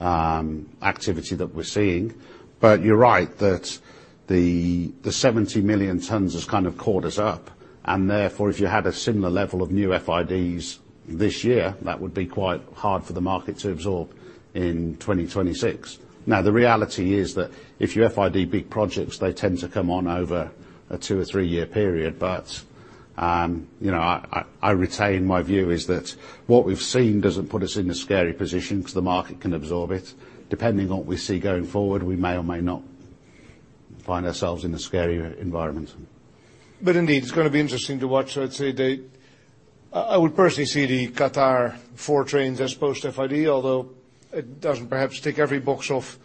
activity that we're seeing. You're right that the 70 million tons has kind of caught us up, and therefore, if you had a similar level of new FIDs this year, that would be quite hard for the market to absorb in 2026. The reality is that if you FID big projects, they tend to come on over a two or three-year period. I retain my view is that what we've seen doesn't put us in a scary position because the market can absorb it. Depending on what we see going forward, we may or may not find ourselves in a scarier environment. Indeed, it's going to be interesting to watch, I'd say, I would personally see the Qatar four trains as post FID, although it doesn't perhaps tick every box of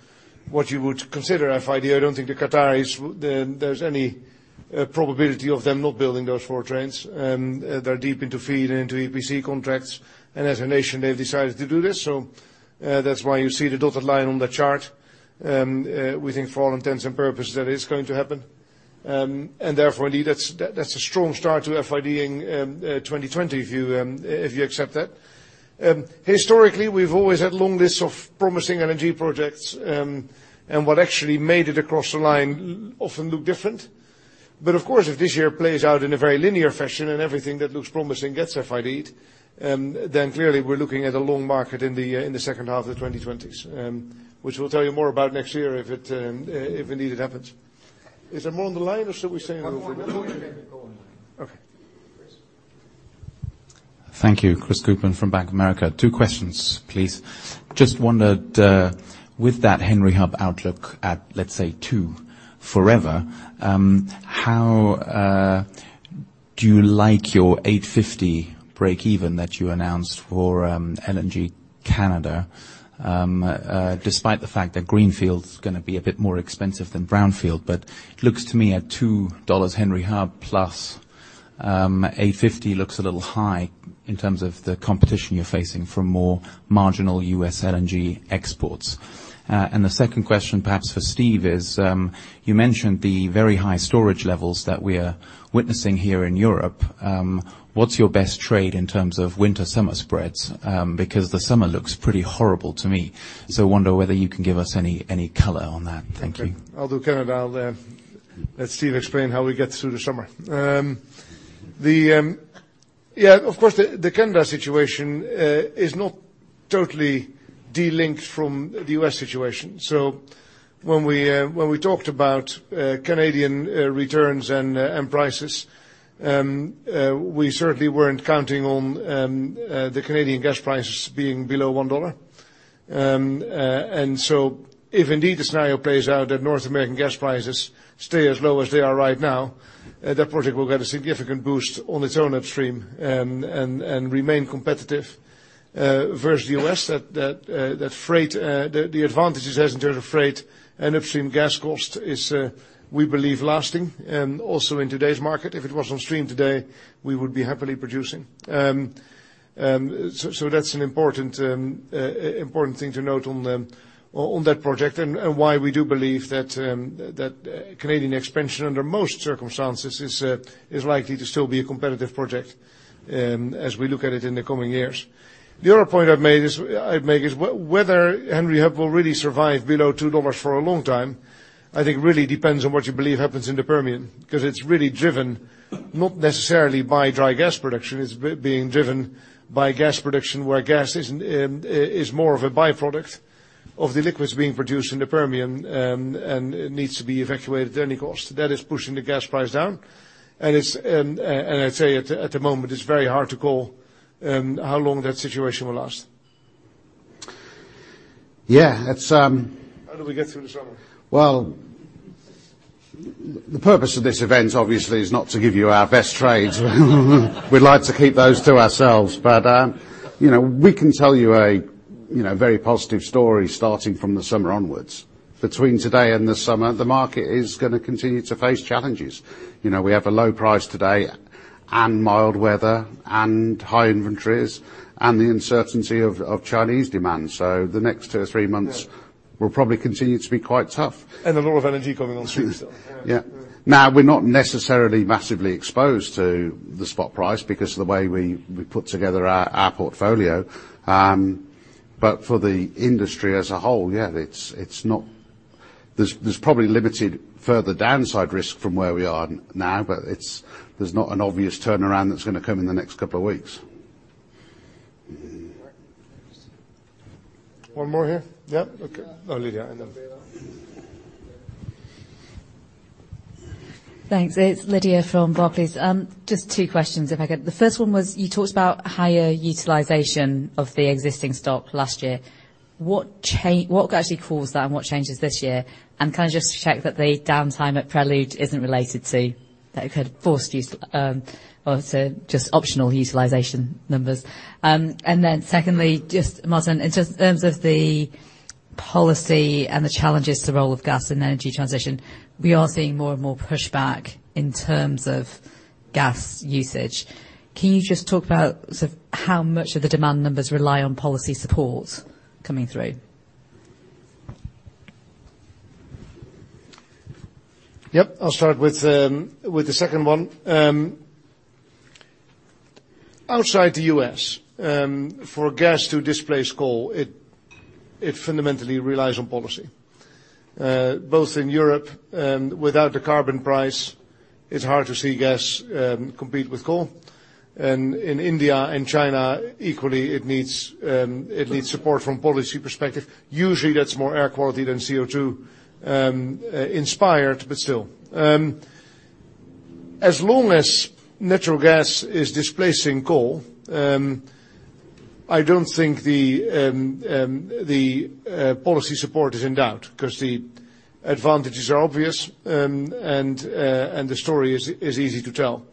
what you would consider FID. I don't think the Qataris, there's any probability of them not building those four trains. They're deep into FEED and into EPC contracts. As a nation, they've decided to do this. That's why you see the dotted line on the chart. We think for all intents and purposes, that is going to happen. Therefore, indeed, that's a strong start to FID in 2020 if you accept that. Historically, we've always had long lists of promising LNG projects, and what actually made it across the line often looked different. Of course, if this year plays out in a very linear fashion and everything that looks promising gets FID'd, clearly we're looking at a long market in the second half of the 2020s, which we'll tell you more about next year if indeed it happens. Is there more on the line or should we stay on the phone? One more. And then we go on the line. Okay. Chris. Thank you. Chris Kuplent from Bank of America. Two questions, please. Just wondered, with that Henry Hub outlook at, let's say, two, forever. How do you like your $8.50 breakeven that you announced for LNG Canada, despite the fact that greenfield is going to be a bit more expensive than brownfield? It looks to me at $2 Henry Hub plus 8.50 looks a little high in terms of the competition you're facing from more marginal U.S. LNG exports. The second question, perhaps for Steve, is you mentioned the very high storage levels that we are witnessing here in Europe. What's your best trade in terms of winter-summer spreads? Because the summer looks pretty horrible to me. I wonder whether you can give us any color on that. Thank you. Okay. I'll do Canada. I'll let Steve explain how we get through the summer. Yeah, of course, the Canada situation is not totally de-linked from the U.S. situation. When we talked about Canadian returns and prices, we certainly weren't counting on the Canadian gas prices being below $1. If indeed the scenario plays out that North American gas prices stay as low as they are right now, that project will get a significant boost on its own upstream and remain competitive versus the U.S. The advantages it has in terms of freight and upstream gas cost is, we believe, lasting. Also in today's market, if it was on stream today, we would be happily producing. That's an important thing to note on that project and why we do believe that Canadian expansion, under most circumstances, is likely to still be a competitive project as we look at it in the coming years. The other point I'd make is whether Henry Hub will really survive below $2 for a long time, I think really depends on what you believe happens in the Permian, because it's really driven not necessarily by dry gas production. It's being driven by gas production where gas is more of a byproduct of the liquids being produced in the Permian and it needs to be evacuated at any cost. That is pushing the gas price down. I'd say at the moment it's very hard to call how long that situation will last. Yeah. How do we get through the summer? Well, the purpose of this event obviously is not to give you our best trades. We'd like to keep those to ourselves. We can tell you a very positive story starting from the summer onwards. Between today and the summer, the market is going to continue to face challenges. We have a low price today and mild weather and high inventories and the uncertainty of Chinese demand. The next two or three months. Yeah. Will probably continue to be quite tough. A lot of energy coming on stream still. Yeah. We're not necessarily massively exposed to the spot price because of the way we put together our portfolio. For the industry as a whole, yeah, there's probably limited further downside risk from where we are now, but there's not an obvious turnaround that's going to come in the next couple of weeks. One more here? Yeah. Okay. Oh, Lydia. Thanks. It's Lydia from Barclays. Just two questions if I could. The first one was, you talked about higher utilization of the existing stock last year. What actually caused that, and what changes this year? Can I just check that the downtime at Prelude isn't related to, that it could force just optional utilization numbers. Secondly, just Maarten, and just in terms of the policy and the challenges to the role of gas in the energy transition, we are seeing more and more pushback in terms of gas usage. Can you just talk about sort of how much of the demand numbers rely on policy support coming through? Yep. I'll start with the second one. Outside the U.S., for gas to displace coal, it fundamentally relies on policy. Both in Europe, without the carbon price, it's hard to see gas compete with coal. In India and China, equally, it needs support from policy perspective. Usually, that's more air quality than CO2 inspired, but still. As long as natural gas is displacing coal, I don't think the policy support is in doubt because the advantages are obvious and the story is easy to tell.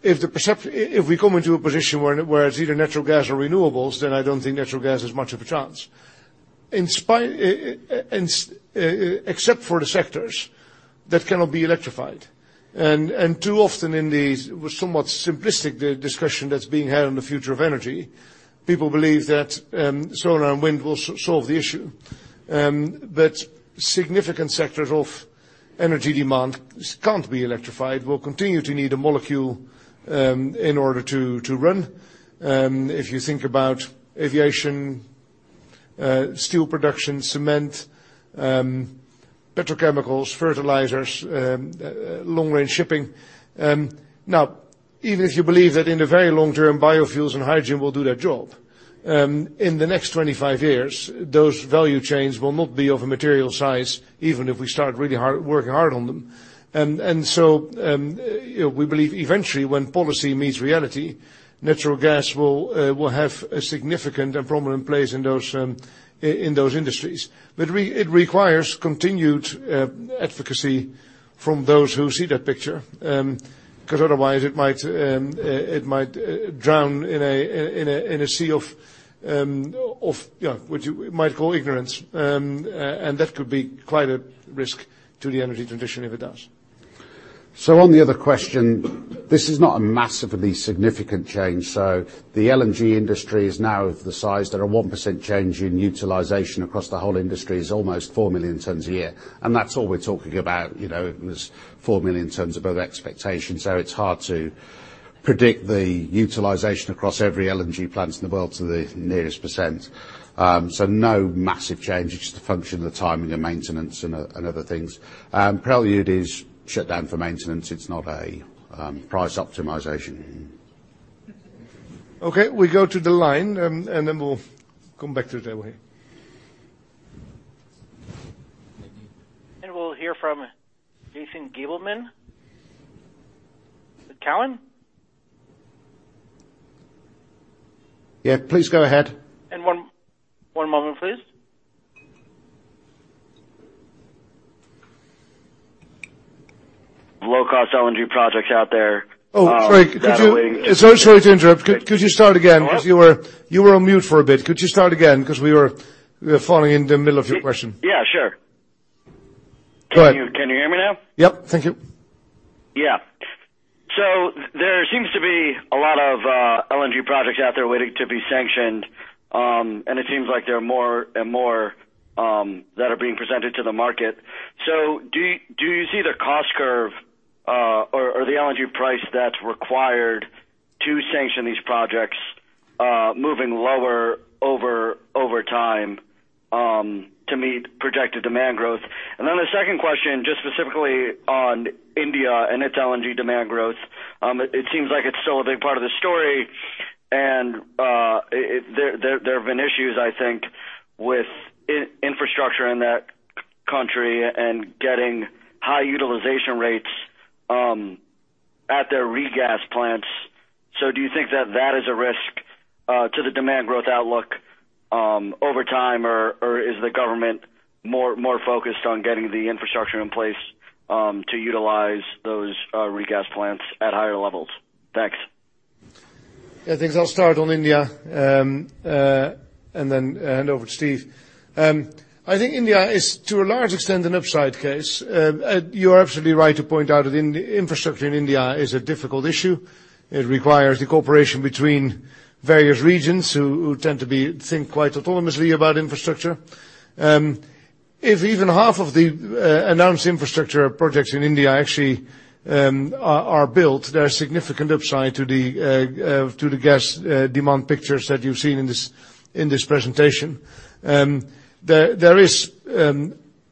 If we come into a position where it's either natural gas or renewables, I don't think natural gas has much of a chance. Except for the sectors that cannot be electrified. Too often in the somewhat simplistic discussion that's being had on the future of energy, people believe that solar and wind will solve the issue. But significant sectors of energy demand can't be electrified, will continue to need a molecule in order to run. If you think about aviation, steel production, cement, petrochemicals, fertilizers, long-range shipping. Now, even if you believe that in the very long term, biofuels and hydrogen will do their job, in the next 25 years, those value chains will not be of a material size, even if we start working hard on them. We believe eventually when policy meets reality, natural gas will have a significant and prominent place in those industries. But it requires continued advocacy from those who see that picture, because otherwise it might drown in a sea of what you might call ignorance. And that could be quite a risk to the energy transition if it does. On the other question, this is not a massively significant change. The LNG industry is now of the size that a 1% change in utilization across the whole industry is almost 4 million tons a year. That's all we're talking about, is 4 million tons above expectation. It's hard to predict the utilization across every LNG plant in the world to the nearest percent. No massive change, it's just a function of the timing of maintenance and other things. Prelude is shut down for maintenance. It's not a price optimization. Okay. We go to the line and then we'll come back to it that way. We'll hear from Jason Gabelman with Cowen. Yeah, please go ahead. One moment, please. Low cost LNG projects out there- Oh, sorry. Could you-- Sorry to interrupt. Could you start again? What? You were on mute for a bit. Could you start again, because we were falling in the middle of your question. Yeah, sure. Go ahead. Can you hear me now? Yep. Thank you. Yeah. There seems to be a lot of LNG projects out there waiting to be sanctioned. It seems like there are more and more that are being presented to the market. Do you see the cost curve, or the LNG price that's required to sanction these projects, moving lower over time to meet projected demand growth? A second question, just specifically on India and its LNG demand growth. It seems like it's still a big part of the story, and there have been issues, I think, with infrastructure in that country and getting high utilization rates at their regasification plants. Do you think that that is a risk to the demand growth outlook over time, or is the government more focused on getting the infrastructure in place to utilize those regasification plants at higher levels? Thanks. Yeah, I think I'll start on India, and then hand over to Steve. I think India is to a large extent an upside case. You're absolutely right to point out that infrastructure in India is a difficult issue. It requires the cooperation between various regions who tend to think quite autonomously about infrastructure. If even half of the announced infrastructure projects in India actually are built, there are significant upside to the gas demand pictures that you've seen in this presentation. There is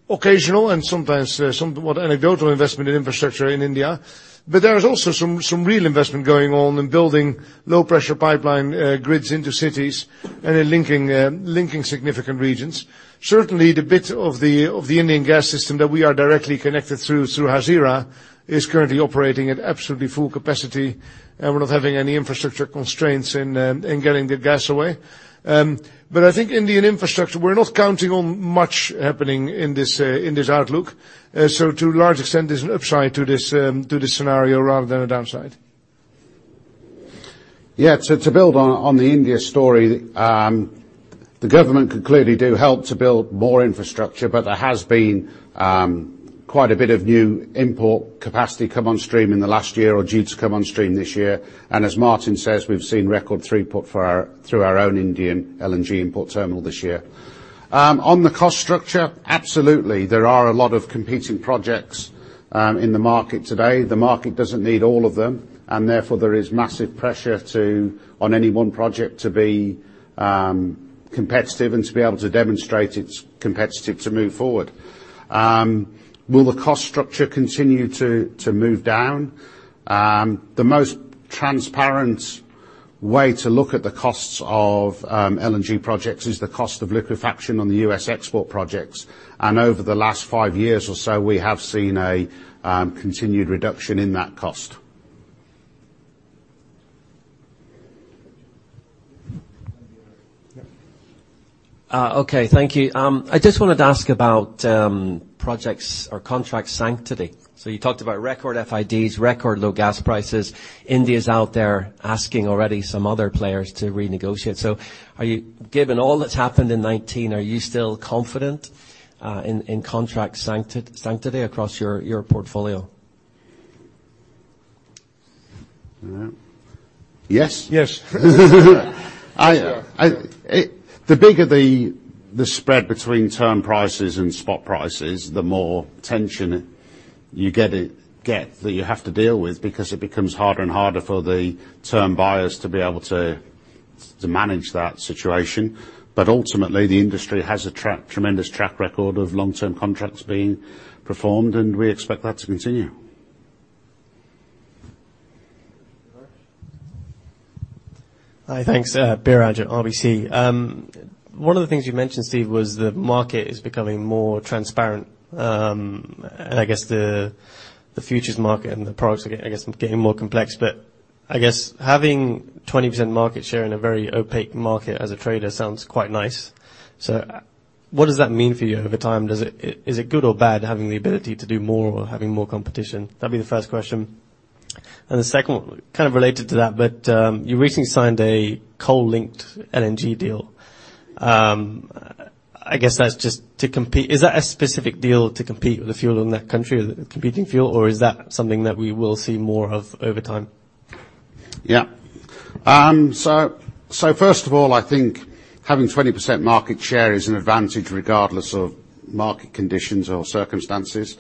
occasional and sometimes somewhat anecdotal investment in infrastructure in India, but there is also some real investment going on in building low pressure pipeline grids into cities and in linking significant regions. Certainly, the bit of the Indian gas system that we are directly connected through Hazira is currently operating at absolutely full capacity, and we're not having any infrastructure constraints in getting the gas away. But I think Indian infrastructure, we're not counting on much happening in this outlook. To a large extent, there's an upside to this scenario rather than a downside. Yeah. To build on the India story, the government could clearly do help to build more infrastructure, but there has been quite a bit of new import capacity come on stream in the last year or due to come on stream this year. As Maarten says, we've seen record throughput through our own Indian LNG import terminal this year. On the cost structure, absolutely, there are a lot of competing projects in the market today. The market doesn't need all of them, and therefore there is massive pressure on any one project to be competitive and to be able to demonstrate it's competitive to move forward. Will the cost structure continue to move down? The most transparent way to look at the costs of LNG projects is the cost of liquefaction on the U.S. export projects, and over the last five years or so, we have seen a continued reduction in that cost. Yeah. Okay, thank you. I just wanted to ask about projects or contract sanctity. You talked about record FIDs, record low gas prices. India's out there asking already some other players to renegotiate. Given all that's happened in 2019, are you still confident in contract sanctity across your portfolio? Yeah. Yes. Yes. The bigger the spread between term prices and spot prices, the more tension you get that you have to deal with, because it becomes harder and harder for the term buyers to be able to manage that situation. Ultimately, the industry has a tremendous track record of long-term contracts being performed, and we expect that to continue. Hi. Thanks. Biraj at RBC. One of the things you mentioned, Steve, was the market is becoming more transparent. I guess the futures market and the products are, I guess, getting more complex. I guess having 20% market share in a very opaque market as a trader sounds quite nice. What does that mean for you over time? Is it good or bad having the ability to do more or having more competition? That'd be the first question. The second one kind of related to that, but, you recently signed a coal-linked LNG deal. I guess that's just to compete. Is that a specific deal to compete with the fuel in that country or the competing fuel, or is that something that we will see more of over time? Yeah. First of all, I think having 20% market share is an advantage regardless of market conditions or circumstances.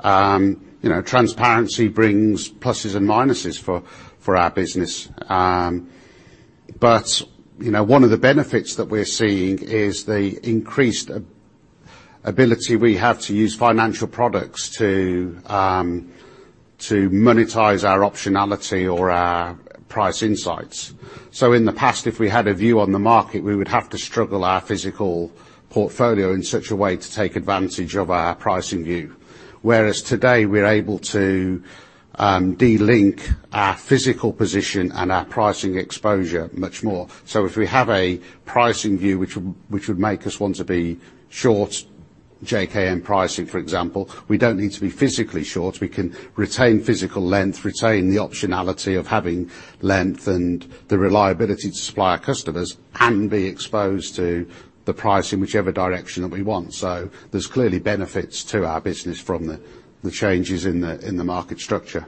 Transparency brings pluses and minuses for our business. One of the benefits that we're seeing is the increased ability we have to use financial products to monetize our optionality or our price insights. In the past, if we had a view on the market, we would have to struggle our physical portfolio in such a way to take advantage of our pricing view. Whereas today, we're able to de-link our physical position and our pricing exposure much more. If we have a pricing view which would make us want to be short JKM pricing, for example, we don't need to be physically short. We can retain physical length, retain the optionality of having length and the reliability to supply our customers and be exposed to the pricing whichever direction that we want. There's clearly benefits to our business from the changes in the market structure.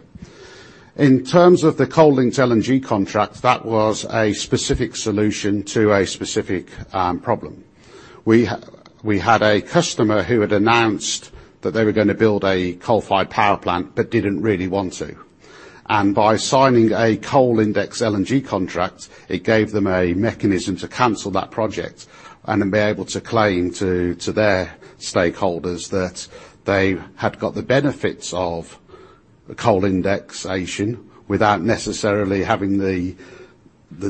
In terms of the coal-linked LNG contract, that was a specific solution to a specific problem. We had a customer who had announced that they were going to build a coal-fired power plant but didn't really want to. By signing a coal index LNG contract, it gave them a mechanism to cancel that project and then be able to claim to their stakeholders that they had got the benefits of coal indexation without necessarily having the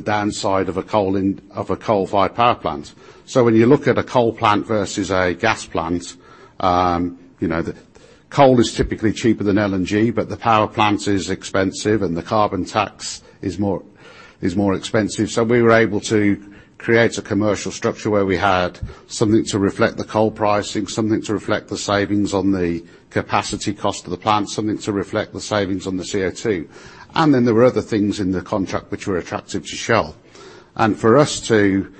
downside of a coal-fired power plant. When you look at a coal plant versus a gas plant, coal is typically cheaper than LNG, but the power plant is expensive and the carbon tax is more expensive. We were able to create a commercial structure where we had something to reflect the coal pricing, something to reflect the savings on the capacity cost of the plant, something to reflect the savings on the CO2. There were other things in the contract which were attractive to Shell. For us to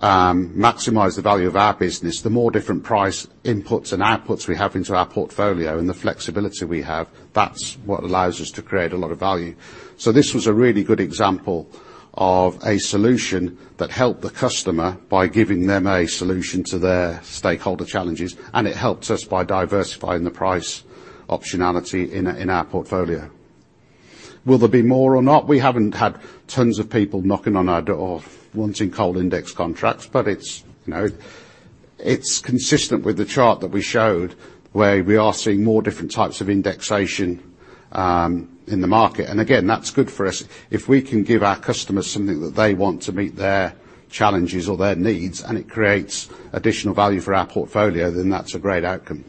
maximize the value of our business, the more different price inputs and outputs we have into our portfolio and the flexibility we have, that's what allows us to create a lot of value. This was a really good example of a solution that helped the customer by giving them a solution to their stakeholder challenges, and it helped us by diversifying the price optionality in our portfolio. Will there be more or not? We haven't had tons of people knocking on our door wanting coal index contracts, but it's consistent with the chart that we showed where we are seeing more different types of indexation in the market. Again, that's good for us. If we can give our customers something that they want to meet their challenges or their needs and it creates additional value for our portfolio, then that's a great outcome.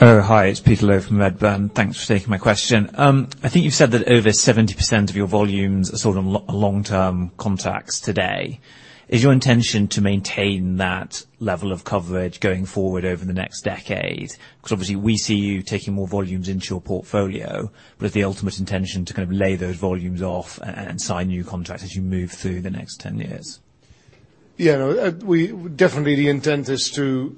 Hi. It's Peter Low from Redburn. Thanks for taking my question. I think you've said that over 70% of your volumes are sold on long-term contracts today. Is your intention to maintain that level of coverage going forward over the next decade? Obviously, we see you taking more volumes into your portfolio with the ultimate intention to kind of lay those volumes off and sign new contracts as you move through the next 10 years. Yeah. No, definitely the intent is to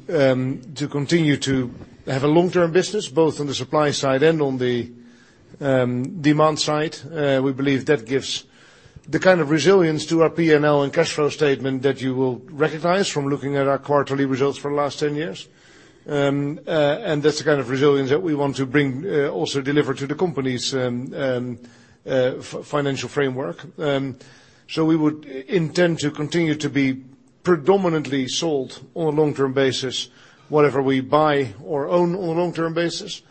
continue to have a long-term business both on the supply side and on the demand side. We believe that gives the kind of resilience to our P&L and cash flow statement that you will recognize from looking at our quarterly results for the last 10 years. That's the kind of resilience that we want to bring also deliver to the company's financial framework. We would intend to continue to be predominantly sold on a long-term basis, whatever we buy or own on a long-term basis.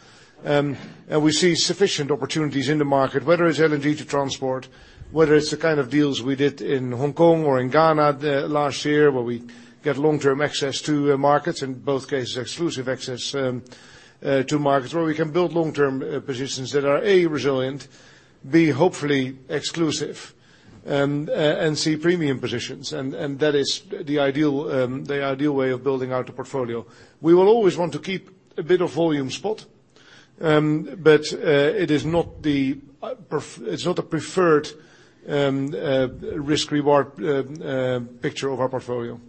We see sufficient opportunities in the market, whether it's LNG to transport, whether it's the kind of deals we did in Hong Kong or in Ghana last year where we get long-term access to markets. In both cases, exclusive access to markets where we can build long-term positions that are, A, resilient, B, hopefully exclusive, and C, premium positions. That is the ideal way of building out a portfolio. We will always want to keep a bit of volume spot. It is not the preferred risk reward picture of our portfolio.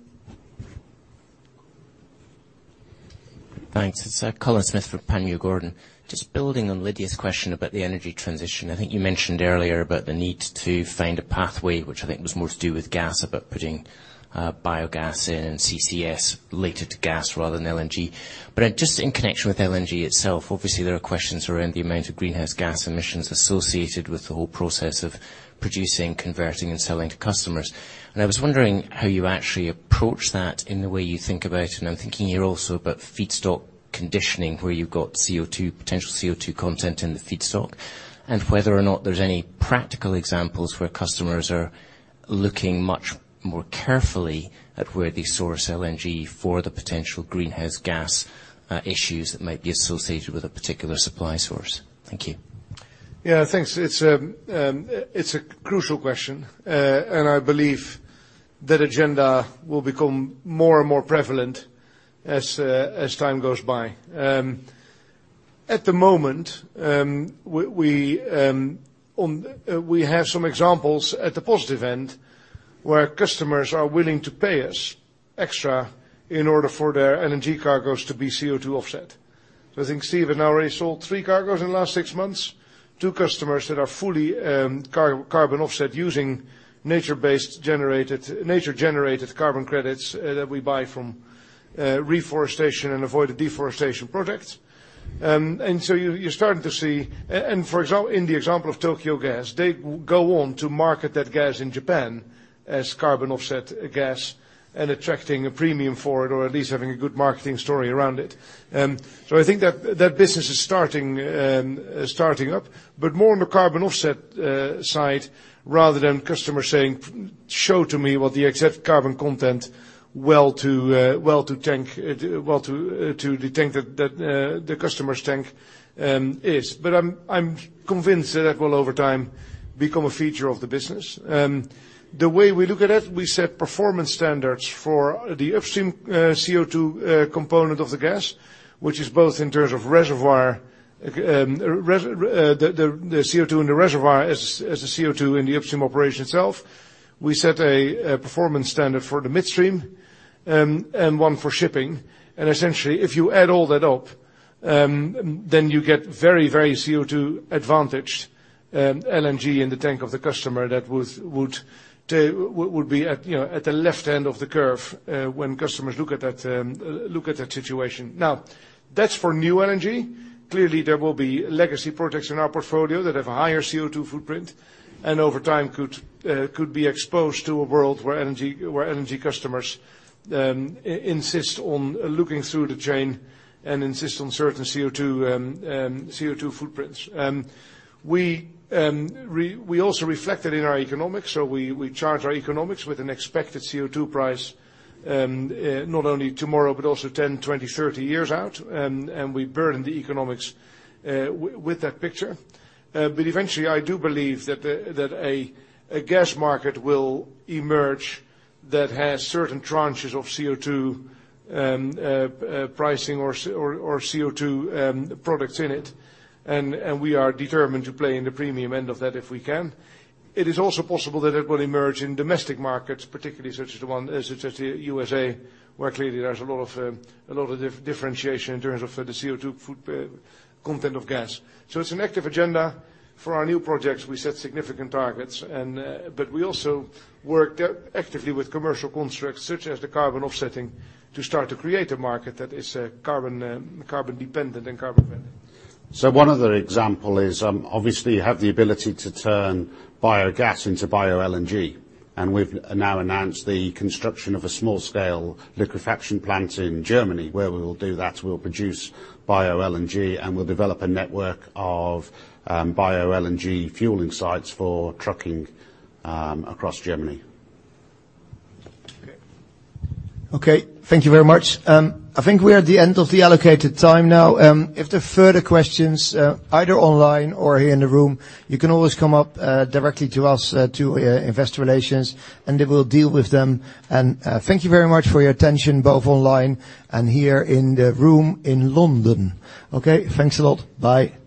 Thanks. It's Colin Smith from Panmure Gordon. Just building on Lydia's question about the energy transition. I think you mentioned earlier about the need to find a pathway, which I think was more to do with gas, about putting biogas in and CCS related to gas rather than LNG. Just in connection with LNG itself, obviously there are questions around the amount of greenhouse gas emissions associated with the whole process of producing, converting, and selling to customers. I was wondering how you actually approach that in the way you think about it, and I'm thinking here also about feedstock conditioning, where you've got potential CO2 content in the feedstock. Whether or not there's any practical examples where customers are looking much more carefully at where they source LNG for the potential greenhouse gas issues that might be associated with a particular supply source. Thank you. Thanks. It's a crucial question. I believe that agenda will become more and more prevalent as time goes by. At the moment, we have some examples at the positive end where customers are willing to pay us extra in order for their LNG cargos to be CO2 offset. I think Steve now already sold three cargos in the last six months to customers that are fully carbon offset using nature generated carbon credits that we buy from reforestation and avoid deforestation projects. You're starting to see In the example of Tokyo Gas, they go on to market that gas in Japan as carbon offset gas and attracting a premium for it or at least having a good marketing story around it. I think that business is starting up. More on the carbon offset side rather than customers saying, "Show to me what the exact carbon content well to the customer's tank is." I'm convinced that will, over time, become a feature of the business. The way we look at it, we set performance standards for the upstream CO2 component of the gas, which is both in terms of the CO2 in the reservoir as the CO2 in the upstream operation itself. We set a performance standard for the midstream, and one for shipping. Essentially, if you add all that up, then you get very CO2 advantaged LNG in the tank of the customer that would be at the left end of the curve when customers look at that situation. That's for new energy. Clearly, there will be legacy projects in our portfolio that have a higher CO2 footprint, and over time could be exposed to a world where energy customers insist on looking through the chain and insist on certain CO2 footprints. We also reflect that in our economics, we charge our economics with an expected CO2 price, not only tomorrow, but also 10, 20, 30 years out, and we burden the economics with that picture. Eventually, I do believe that a gas market will emerge that has certain tranches of CO2 pricing or CO2 products in it. We are determined to play in the premium end of that if we can. It is also possible that it will emerge in domestic markets, particularly such as the USA, where clearly there's a lot of differentiation in terms of the CO2 content of gas. It's an active agenda for our new projects. We set significant targets. We also work actively with commercial constructs such as the carbon offsetting to start to create a market that is carbon dependent and carbon friendly. One other example is, obviously, you have the ability to turn biogas into Bio-LNG, and we've now announced the construction of a small scale liquefaction plant in Germany where we will do that. We'll produce Bio-LNG, and we'll develop a network of Bio-LNG fueling sites for trucking across Germany. Okay. Thank you very much. I think we are at the end of the allocated time now. If there are further questions, either online or here in the room, you can always come up directly to us, to investor relations, and they will deal with them. Thank you very much for your attention, both online and here in the room in London. Okay. Thanks a lot. Bye.